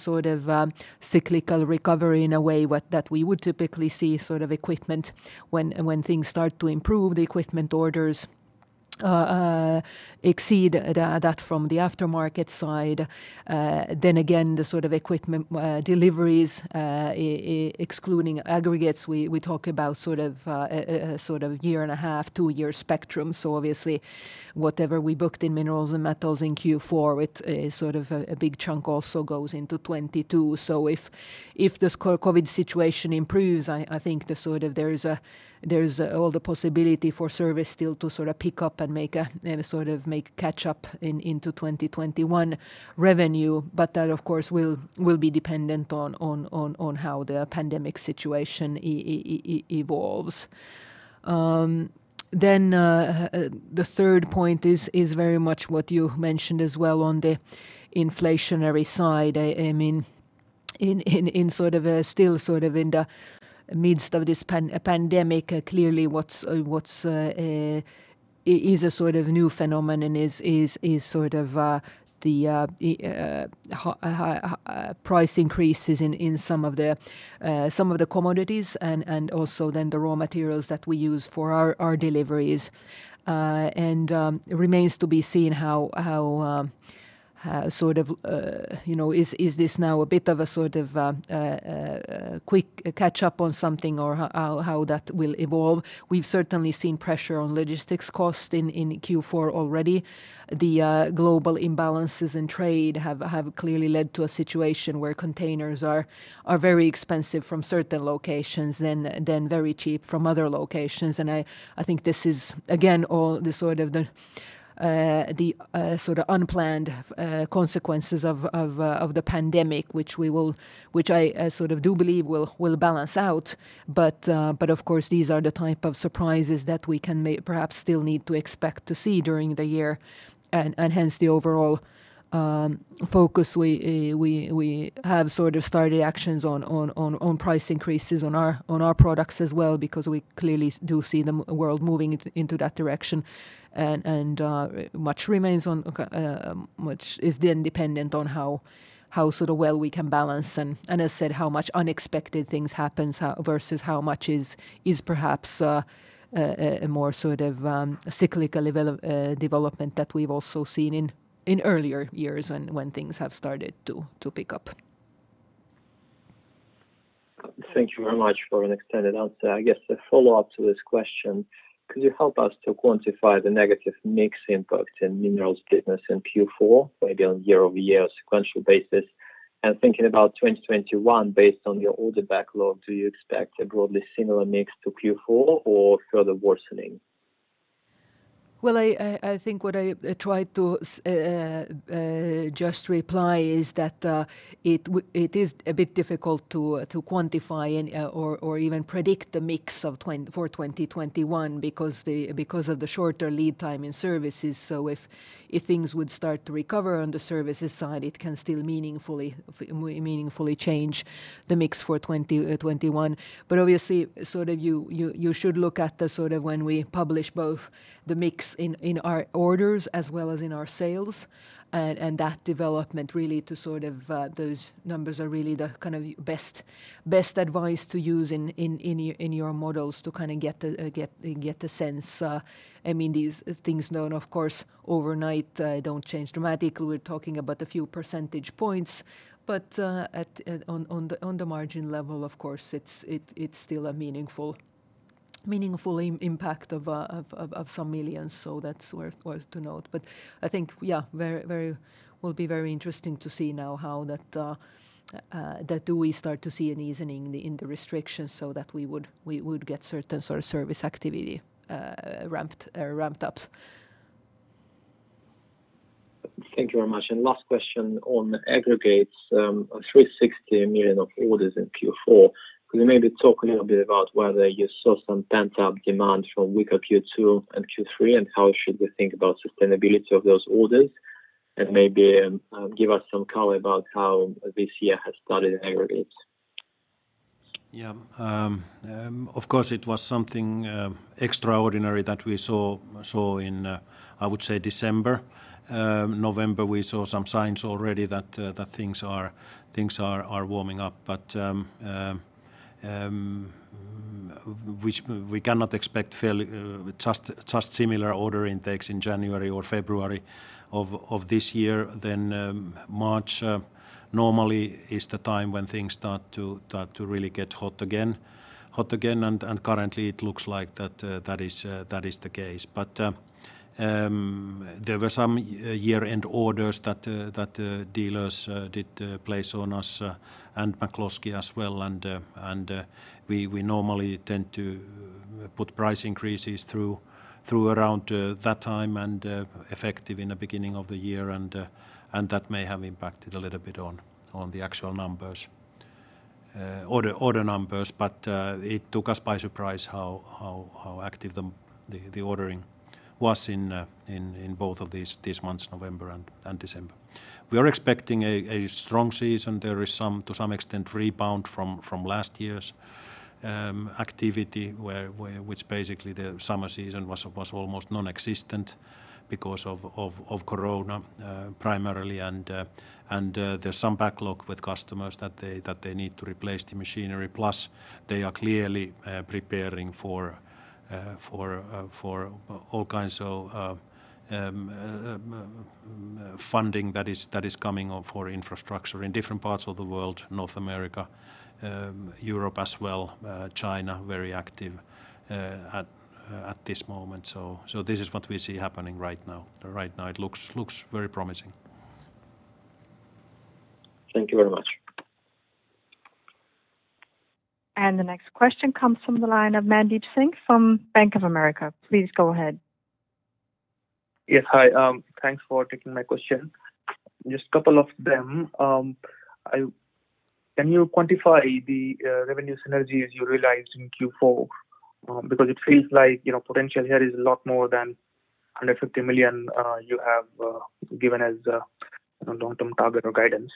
cyclical recovery in a way that we would typically see equipment when things start to improve, the equipment orders exceed that from the aftermarket side. The equipment deliveries, excluding aggregates, we talk about a year and a half, two-year spectrum. Whatever we booked in minerals and metals in Q4, a big chunk also goes into 2022. If this COVID situation improves, I think there is all the possibility for service still to pick up and make catch up into 2021 revenue. That, of course, will be dependent on how the pandemic situation evolves. The third point is very much what you mentioned as well on the inflationary side. Still in the midst of this pandemic, clearly what is a new phenomenon is the price increases in some of the commodities and also then the raw materials that we use for our deliveries. Remains to be seen, is this now a bit of a quick catch up on something or how that will evolve? We've certainly seen pressure on logistics cost in Q4 already. The global imbalances in trade have clearly led to a situation where containers are very expensive from certain locations than very cheap from other locations. I think this is, again, all the unplanned consequences of the pandemic, which I do believe will balance out. Of course, these are the type of surprises that we can perhaps still need to expect to see during the year, and hence the overall focus. We have started actions on price increases on our products as well, because we clearly do see the world moving into that direction. Much is then dependent on how well we can balance and, as said, how much unexpected things happens versus how much is perhaps a more cyclical development that we've also seen in earlier years when things have started to pick up. Thank you very much for an extended answer. I guess a follow-up to this question, could you help us to quantify the negative mix impact in minerals business in Q4, maybe on year-over-year sequential basis? Thinking about 2021, based on your order backlog, do you expect a broadly similar mix to Q4 or further worsening? Well, I think what I tried to just reply is that it is a bit difficult to quantify or even predict the mix for 2021 because of the shorter lead time in services. If things would start to recover on the services side, it can still meaningfully change the mix for 2021. Obviously, you should look at when we publish both the mix in our orders as well as in our sales, and that development really to those numbers are really the best advice to use in your models to get the sense. These things don't, of course, overnight don't change dramatically. We're talking about a few percentage points, but on the margin level, of course, it's still a meaningful impact of some millions. That's worth to note. I think, yeah, will be very interesting to see now how do we start to see an easing in the restrictions so that we would get certain service activity ramped up. Thank you very much. Last question on aggregates, 360 million of orders in Q4. Could you maybe talk a little bit about whether you saw some pent-up demand from weaker Q2 and Q3, and how should we think about sustainability of those orders? Maybe give us some color about how this year has started in aggregates. Yeah. Of course, it was something extraordinary that we saw in, I would say December. November, we saw some signs already that things are warming up. We cannot expect just similar order intakes in January or February of this year. March normally is the time when things start to really get hot again. Currently it looks like that is the case. There were some year-end orders that dealers did place on us, and McCloskey as well. We normally tend to put price increases through around that time and effective in the beginning of the year, and that may have impacted a little bit on the actual order numbers. It took us by surprise how active the ordering was in both of these months, November and December. We are expecting a strong season. There is to some extent rebound from last year's activity, which basically the summer season was almost non-existent because of COVID primarily. There's some backlog with customers that they need to replace the machinery. Plus, they are clearly preparing for all kinds of funding that is coming up for infrastructure in different parts of the world, North America, Europe as well, China, very active at this moment. This is what we see happening right now. Right now it looks very promising. Thank you very much. The next question comes from the line of Mandeep Singh from Bank of America. Please go ahead. Yes. Hi, thanks for taking my question. Just couple of them. Can you quantify the revenue synergies you realized in Q4? Because it feels like potential here is a lot more than 150 million you have given as a long-term target or guidance.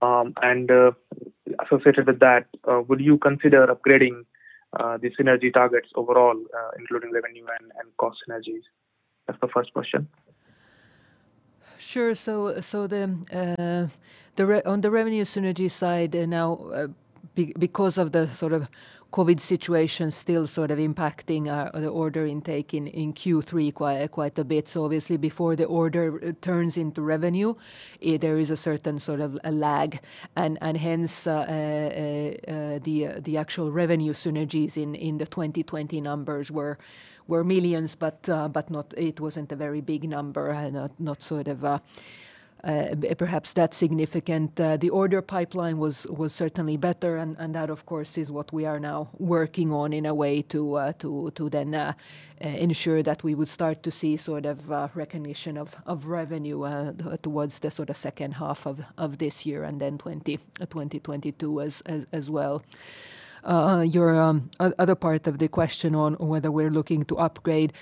Associated with that, would you consider upgrading the synergy targets overall, including revenue and cost synergies? That's the first question. Sure. On the revenue synergy side now, because of the COVID situation still impacting the order intake in Q3 quite a bit. Obviously before the order turns into revenue, there is a certain sort of a lag, and hence the actual revenue synergies in the 2020 numbers were millions, but it wasn't a very big number and not perhaps that significant. The order pipeline was certainly better and that of course, is what we are now working on in a way to then ensure that we would start to see recognition of revenue towards the second half of this year and then 2022 as well. Your other part of the question on whether we're looking to upgrade,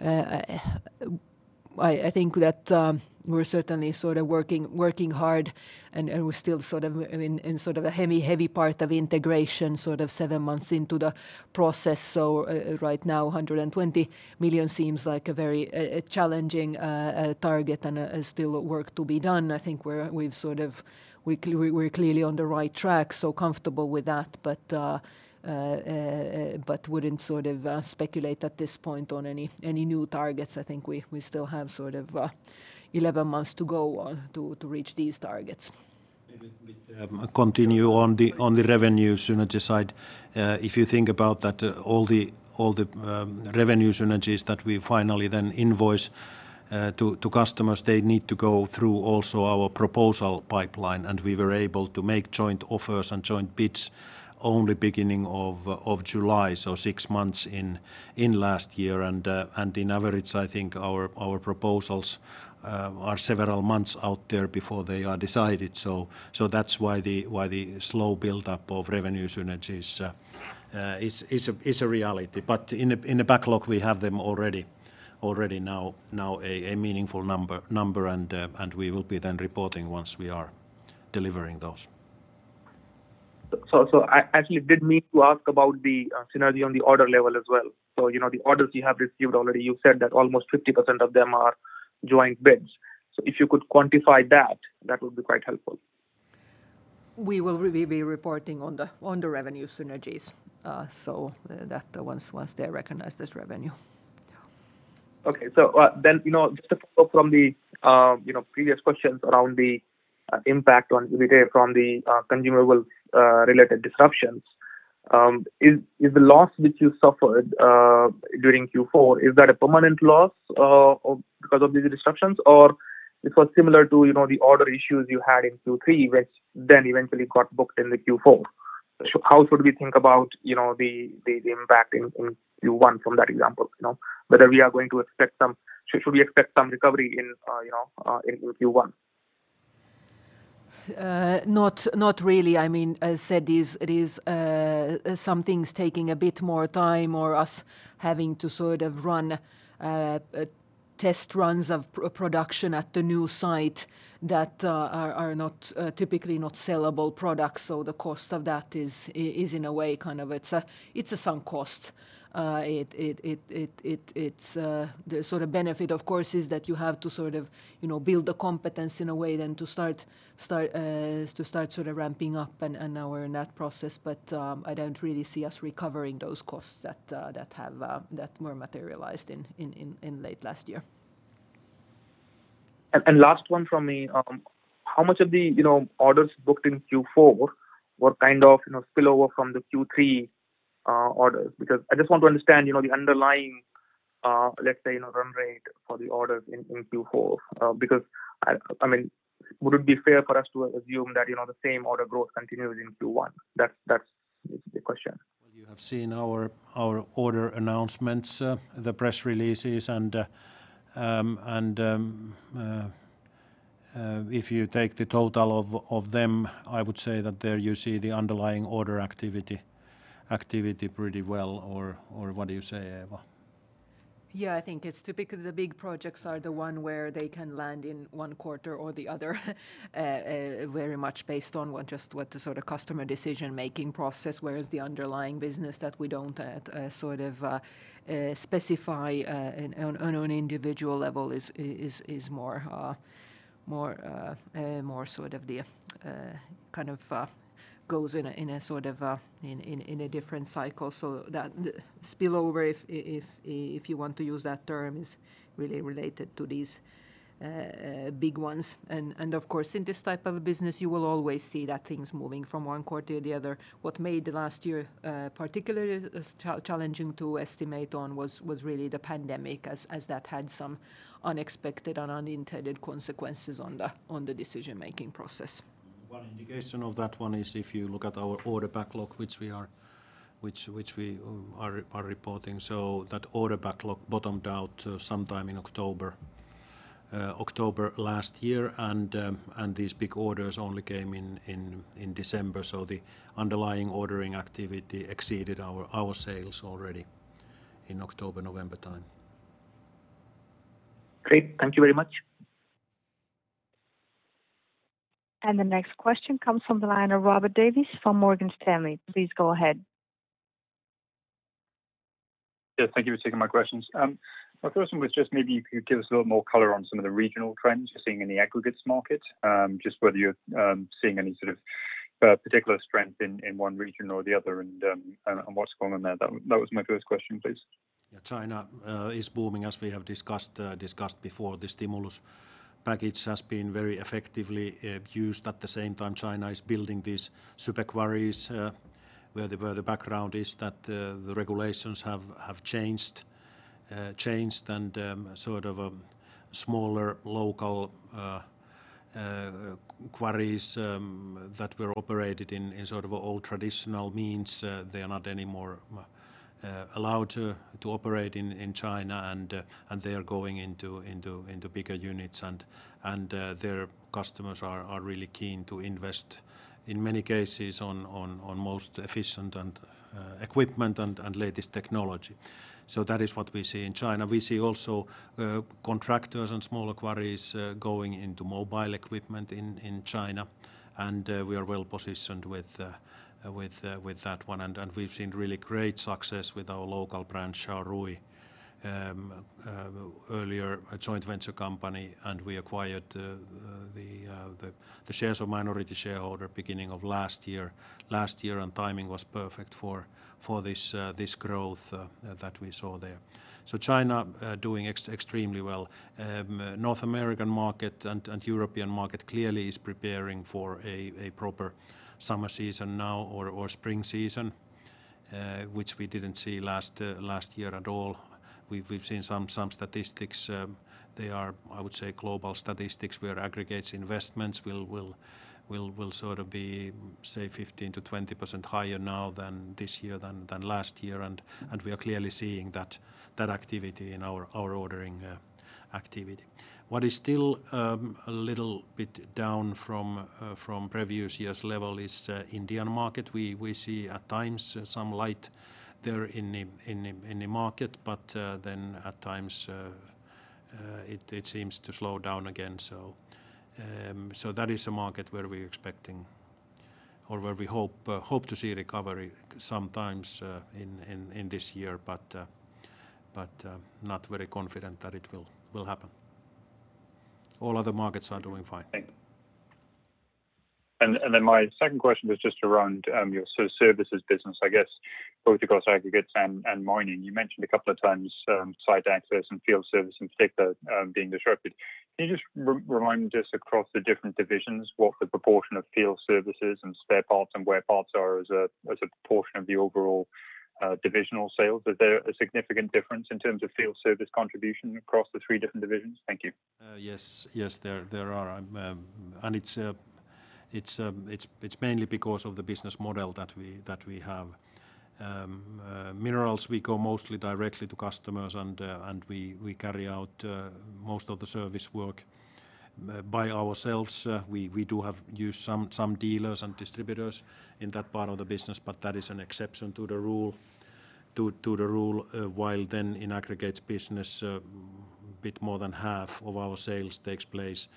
I think that we're certainly working hard and we're still in a heavy part of integration seven months into the process. Right now, 120 million seems like a very challenging target and still work to be done. I think we're clearly on the right track, so comfortable with that, but wouldn't speculate at this point on any new targets. I think we still have 11 months to go on to reach these targets. Maybe to continue on the revenue synergy side. If you think about that, all the revenue synergies that we finally then invoice to customers, they need to go through also our proposal pipeline. We were able to make joint offers and joint bids only beginning of July, so six months in last year. On average, I think our proposals are several months out there before they are decided. That's why the slow buildup of revenue synergies is a reality. In the backlog, we have them already now a meaningful number, and we will be then reporting once we are delivering those. I actually did mean to ask about the synergy on the order level as well. The orders you have received already, you said that almost 50% of them are joint bids. If you could quantify that would be quite helpful. We will be reporting on the revenue synergies, so that once they recognize this revenue. Okay. Just to follow from the previous questions around the impact on Uvicore from the consumable related disruptions. Is the loss which you suffered during Q4, is that a permanent loss because of these disruptions, or it was similar to the order issues you had in Q3, which then eventually got booked in the Q4? How should we think about the impact in Q1 from that example? Should we expect some recovery in Q1? Not really. As said, some things taking a bit more time or us having to sort of run test runs of production at the new site that are typically not sellable products. The cost of that is in a way kind of its sum cost. The sort of benefit, of course, is that you have to build the competence in a way then to start sort of ramping up and now we're in that process. I don't really see us recovering those costs that were materialized in late last year. Last one from me. How much of the orders booked in Q4 were kind of spillover from the Q3 orders? I just want to understand the underlying, let's say, run rate for the orders in Q4, because would it be fair for us to assume that the same order growth continues in Q1? That's basically the question. Well, you have seen our order announcements, the press releases, and if you take the total of them, I would say that there you see the underlying order activity pretty well. What do you say, Eeva? Yeah, I think it's typical. The big projects are the one where they can land in one quarter or the other, very much based on just what the sort of customer decision-making process, whereas the underlying business that we don't at sort of specify on an individual level more sort of the kind of goes in a different cycle. That spillover, if you want to use that term, is really related to these big ones. Of course, in this type of business, you will always see that things moving from one quarter to the other. What made last year particularly challenging to estimate on was really the pandemic as that had some unexpected and unintended consequences on the decision-making process. One indication of that one is if you look at our order backlog, which we are reporting. That order backlog bottomed out sometime in October last year. These big orders only came in December, so the underlying ordering activity exceeded our sales already in October, November time. Great. Thank you very much. The next question comes from the line of Robert Davies from Morgan Stanley. Please go ahead. Yeah, thank you for taking my questions. My first one was just maybe you could give us a little more color on some of the regional trends you're seeing in the aggregates market, just whether you're seeing any sort of particular strength in one region or the other, and what's going on there? That was my first question, please. Yeah, China is booming as we have discussed before. The stimulus package has been very effectively used. At the same time, China is building these super quarries, where the background is that the regulations have changed, and sort of smaller local quarries that were operated in sort of old traditional means, they are not anymore allowed to operate in China, and they are going into bigger units. Their customers are really keen to invest, in many cases, on most efficient equipment and latest technology. That is what we see in China. We see also contractors and smaller quarries going into mobile equipment in China, and we are well-positioned with that one. We've seen really great success with our local brand, Shaorui, earlier a joint venture company, and we acquired the shares of minority shareholder beginning of last year. Last year timing was perfect for this growth that we saw there. China doing extremely well. North American market and European market clearly is preparing for a proper summer season now or spring season, which we didn't see last year at all. We've seen some statistics. They are, I would say, global statistics where aggregates investments will sort of be, say, 15%-20% higher now this year than last year, and we are clearly seeing that activity in our ordering activity. What is still a little bit down from previous years' level is Indian market. We see at times some light there in the market, but then at times it seems to slow down again. That is a market where we're expecting or where we hope to see recovery sometimes in this year, but not very confident that it will happen. All other markets are doing fine. Thank you. Then my second question was just around your services business, I guess both across aggregates and mining. You mentioned a couple of times site access and field service, in particular, being disrupted. Can you just remind us across the different divisions what the proportion of field services and spare parts and wear parts are as a proportion of the overall divisional sales? Is there a significant difference in terms of field service contribution across the three different divisions? Thank you. Yes. There are, and it's mainly because of the business model that we have. Minerals, we go mostly directly to customers, and we carry out most of the service work by ourselves. We do use some dealers and distributors in that part of the business, but that is an exception to the rule. In Aggregates business, a bit more than half of our sales takes place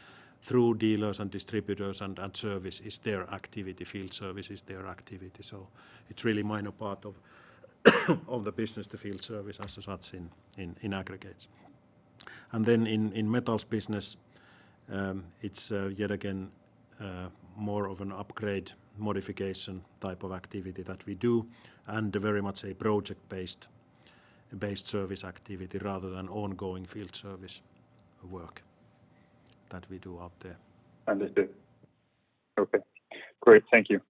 through dealers and distributors, and service is their activity. Field service is their activity. It's really a minor part of the business, the field service as such in Aggregates. In Metals business, it's yet again more of an upgrade, modification type of activity that we do, and very much a project-based service activity rather than ongoing field service work that we do out there. Understood. Okay, great. Thank you.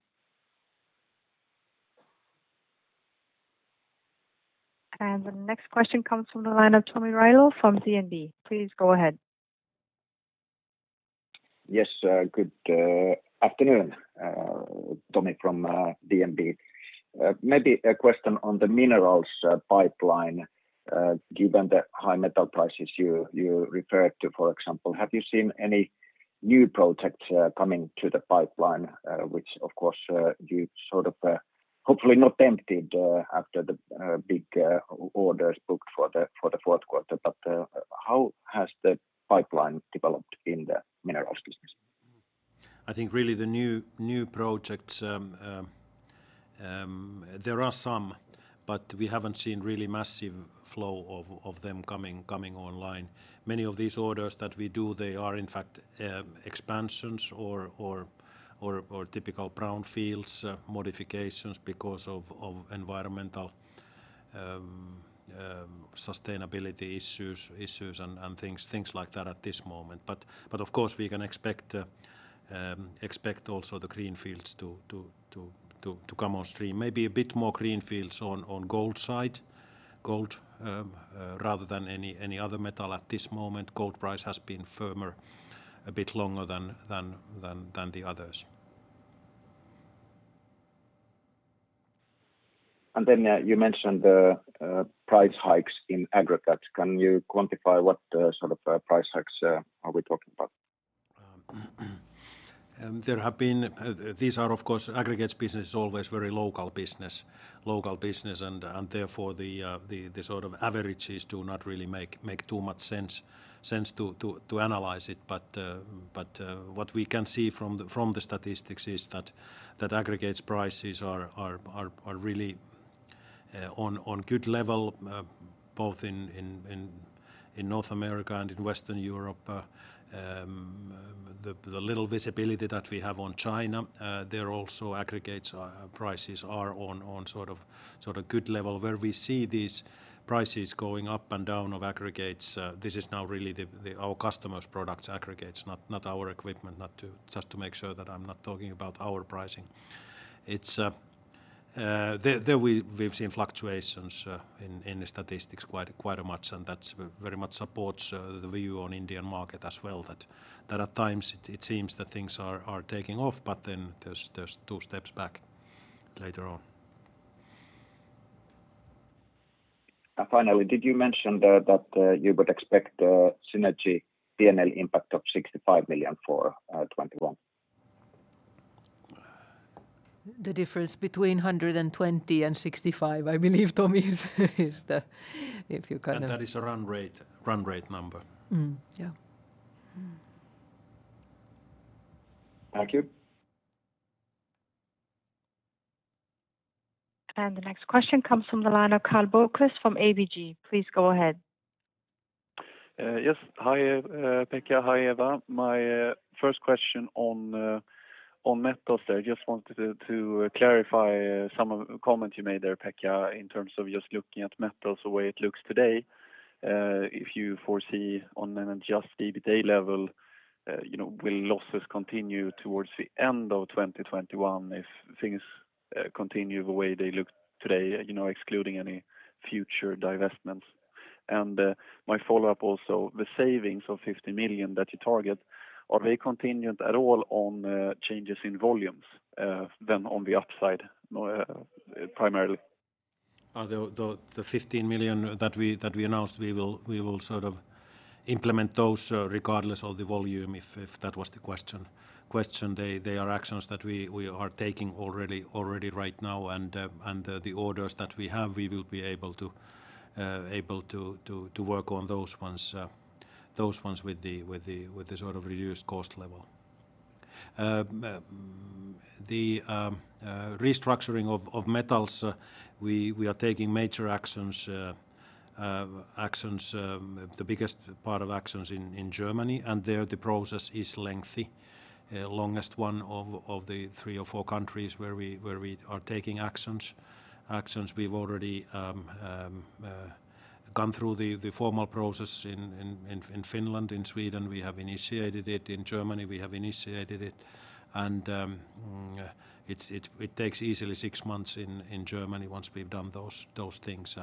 The next question comes from the line of Tomi Railo from DNB. Please go ahead. Yes, good afternoon. Tomi from DNB. Maybe a question on the minerals pipeline, given the high metal prices you referred to, for example. Have you seen any new projects coming to the pipeline? Which, of course, you hopefully not tempted after the big orders booked for the fourth quarter. How has the pipeline developed in the minerals business? I think really the new projects, there are some, but we haven't seen really massive flow of them coming online. Many of these orders that we do, they are in fact expansions or typical brownfields modifications because of environmental sustainability issues and things like that at this moment. Of course, we can expect also the greenfields to come on stream. Maybe a bit more greenfields on gold side rather than any other metal at this moment. Gold price has been firmer a bit longer than the others. You mentioned the price hikes in aggregates. Can you quantify what sort of price hikes are we talking about? These are, of course, aggregates business is always very local business. Therefore, the sort of averages do not really make too much sense to analyze it. What we can see from the statistics is that aggregates prices are really on good level both in North America and in Western Europe. The little visibility that we have on China, there also aggregates prices are on sort of good level. Where we see these prices going up and down of aggregates, this is now really our customers' products aggregates, not our equipment, just to make sure that I'm not talking about our pricing. There we've seen fluctuations in the statistics quite much, and that very much supports the view on Indian market as well, that at times it seems that things are taking off, but then there's two steps back later on. Finally, did you mention that you would expect synergy P&L impact of 65 million for 2021? The difference between 120 and 65, I believe, Tomi. That is a run rate number. Mm-hmm. Yeah. Thank you. The next question comes from the line of Karl Bokvist from ABG. Please go ahead. Yes. Hi, Pekka. Hi, Eeva. My first question on Metso there, just wanted to clarify some of the comments you made there, Pekka, in terms of just looking at Metso the way it looks today. If you foresee on an adjusted EBITDA level, will losses continue towards the end of 2021 if things continue the way they look today, excluding any future divestments? My follow-up also, the savings of 50 million that you target, are they contingent at all on changes in volumes than on the upside primarily? The 15 million that we announced, we will sort of implement those regardless of the volume, if that was the question. They are actions that we are taking already right now. The orders that we have, we will be able to work on those ones with the sort of reduced cost level. The restructuring of metals, we are taking major actions, the biggest part of actions in Germany. There the process is lengthy. Longest one of the three or four countries where we are taking actions. We've already gone through the formal process in Finland. In Sweden, we have initiated it. In Germany, we have initiated it. It takes easily six months in Germany once we've done those things.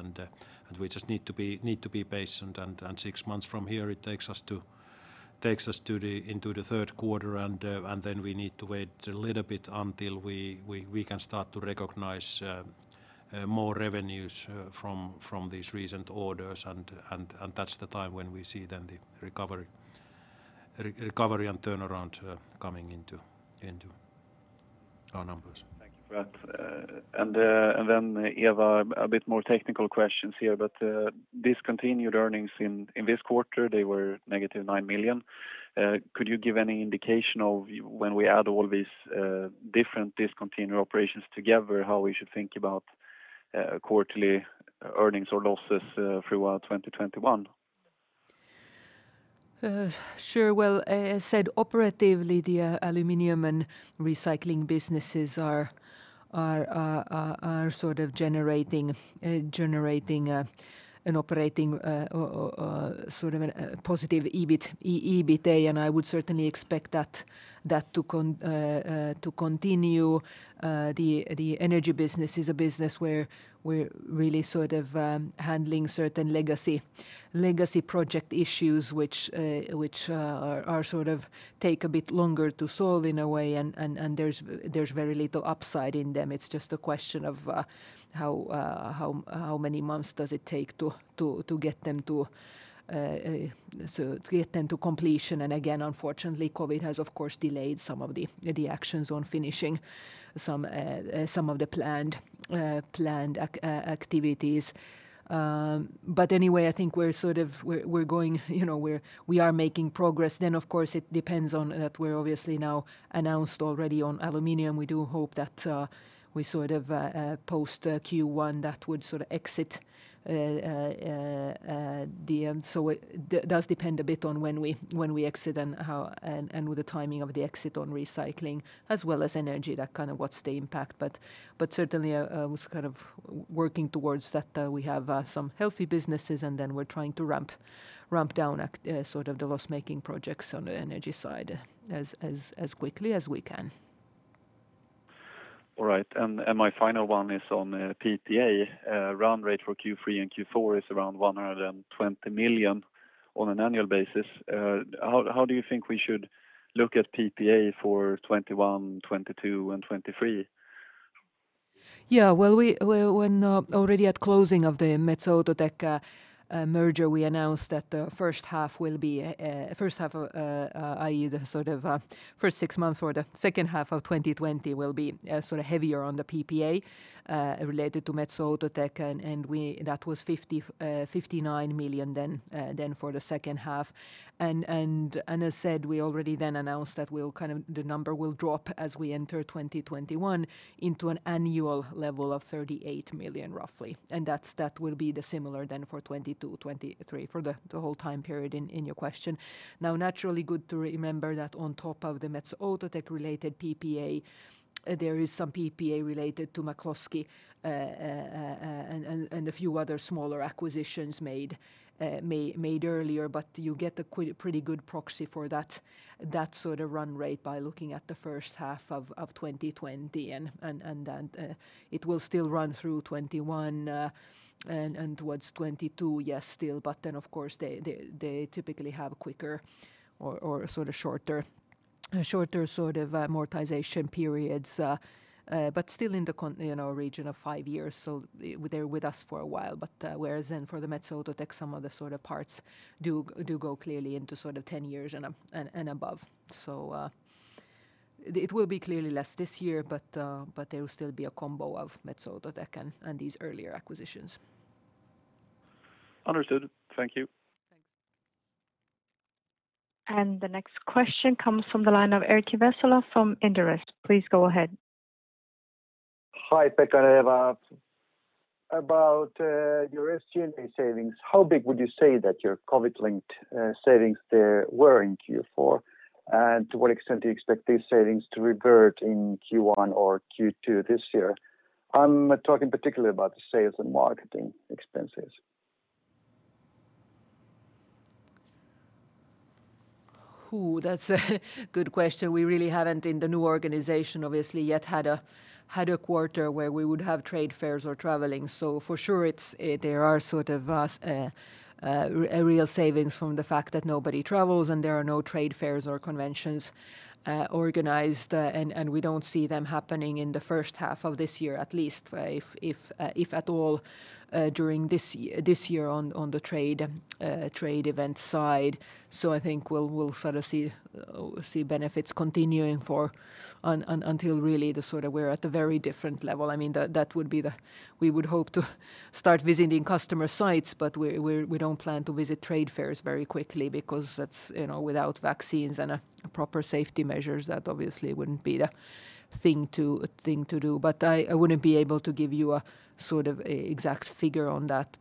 We just need to be patient. Six months from here, it takes us into the third quarter. We need to wait a little bit until we can start to recognize more revenues from these recent orders. That's the time when we see then the recovery and turnaround coming into our numbers. Thank you for that. Eeva, a bit more technical questions here, discontinued earnings in this quarter, they were negative 9 million. Could you give any indication of when we add all these different discontinued operations together, how we should think about quarterly earnings or losses throughout 2021? Sure. Well, as said, operatively, the aluminum and recycling businesses are sort of generating an operating positive EBITA, and I would certainly expect that to continue. The energy business is a business where we're really handling certain legacy project issues, which take a bit longer to solve in a way, and there's very little upside in them. It's just a question of how many months does it take to get them to completion, and again, unfortunately, COVID has, of course, delayed some of the actions on finishing some of the planned activities. Anyway, I think we are making progress. Of course, it depends on that we're obviously now announced already on aluminum. We do hope that we post Q1, that would sort of exit DM. It does depend a bit on when we exit and with the timing of the exit on recycling as well as energy, that kind of what's the impact. Certainly, I was kind of working towards that we have some healthy businesses, and we're trying to ramp down the loss-making projects on the energy side as quickly as we can. All right. My final one is on PPA. Run rate for Q3 and Q4 is around 120 million on an annual basis. How do you think we should look at PPA for 2021, 2022, and 2023? Yeah. Well, when already at closing of the Metso Outotec merger, we announced that the first half, i.e., the first six months or the second half of 2020 will be heavier on the PPA related to Metso Outotec, and that was 59 million then for the second half. As said, we already then announced that the number will drop as we enter 2021 into an annual level of 38 million roughly, and that will be the similar then for 2022, 2023, for the whole time period in your question. Naturally good to remember that on top of the Metso Outotec related PPA, there is some PPA related to McCloskey and a few other smaller acquisitions made earlier, you get a pretty good proxy for that sort of run rate by looking at the first half of 2020, then it will still run through 2021 and towards 2022, yes, still. Then, of course, they typically have quicker or shorter amortization periods, but still in the region of five years. They're with us for a while, whereas then for the Metso Outotec, some of the parts do go clearly into 10 years and above. It will be clearly less this year, there will still be a combo of Metso Outotec and these earlier acquisitions. Understood. Thank you. Thanks. The next question comes from the line of Erkki Vesola from Inderes. Please go ahead. Hi, Pekka and Eeva. About your SG&A savings, how big would you say that your COVID-linked savings there were in Q4, and to what extent do you expect these savings to revert in Q1 or Q2 this year? I'm talking particularly about the sales and marketing expenses. That's a good question. We really haven't in the new organization, obviously, yet had a quarter where we would have trade fairs or traveling. For sure, there are real savings from the fact that nobody travels and there are no trade fairs or conventions organized, and we don't see them happening in the first half of this year at least, if at all, during this year on the trade event side. I think we'll see benefits continuing until really we're at the very different level. We would hope to start visiting customer sites, but we don't plan to visit trade fairs very quickly because without vaccines and proper safety measures, that obviously wouldn't be the thing to do. I wouldn't be able to give you an exact figure on that.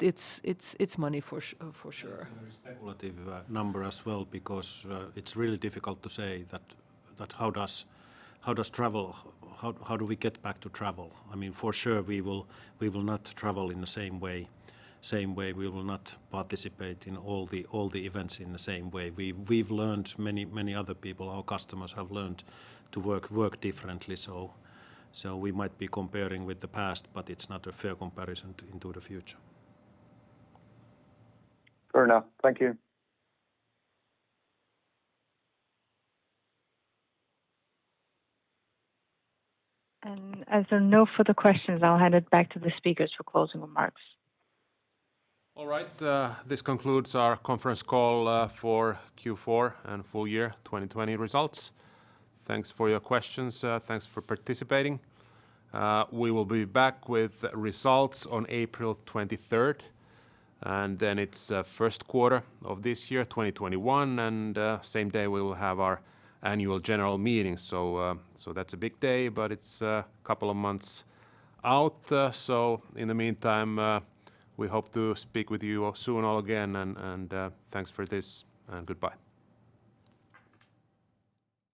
It's money for sure. It's a very speculative number as well because it's really difficult to say that how do we get back to travel. For sure, we will not travel in the same way. We will not participate in all the events in the same way. We've learned, many other people, our customers have learned to work differently. We might be comparing with the past, but it's not a fair comparison into the future. Fair enough. Thank you. As there are no further questions, I'll hand it back to the speakers for closing remarks. All right. This concludes our conference call for Q4 and full-year 2020 results. Thanks for your questions. Thanks for participating. We will be back with results on April 23rd, and then it's first quarter of this year, 2021, and same day we will have our annual general meeting. That's a big day, but it's a couple of months out. In the meantime, we hope to speak with you soon all again, and thanks for this, and goodbye.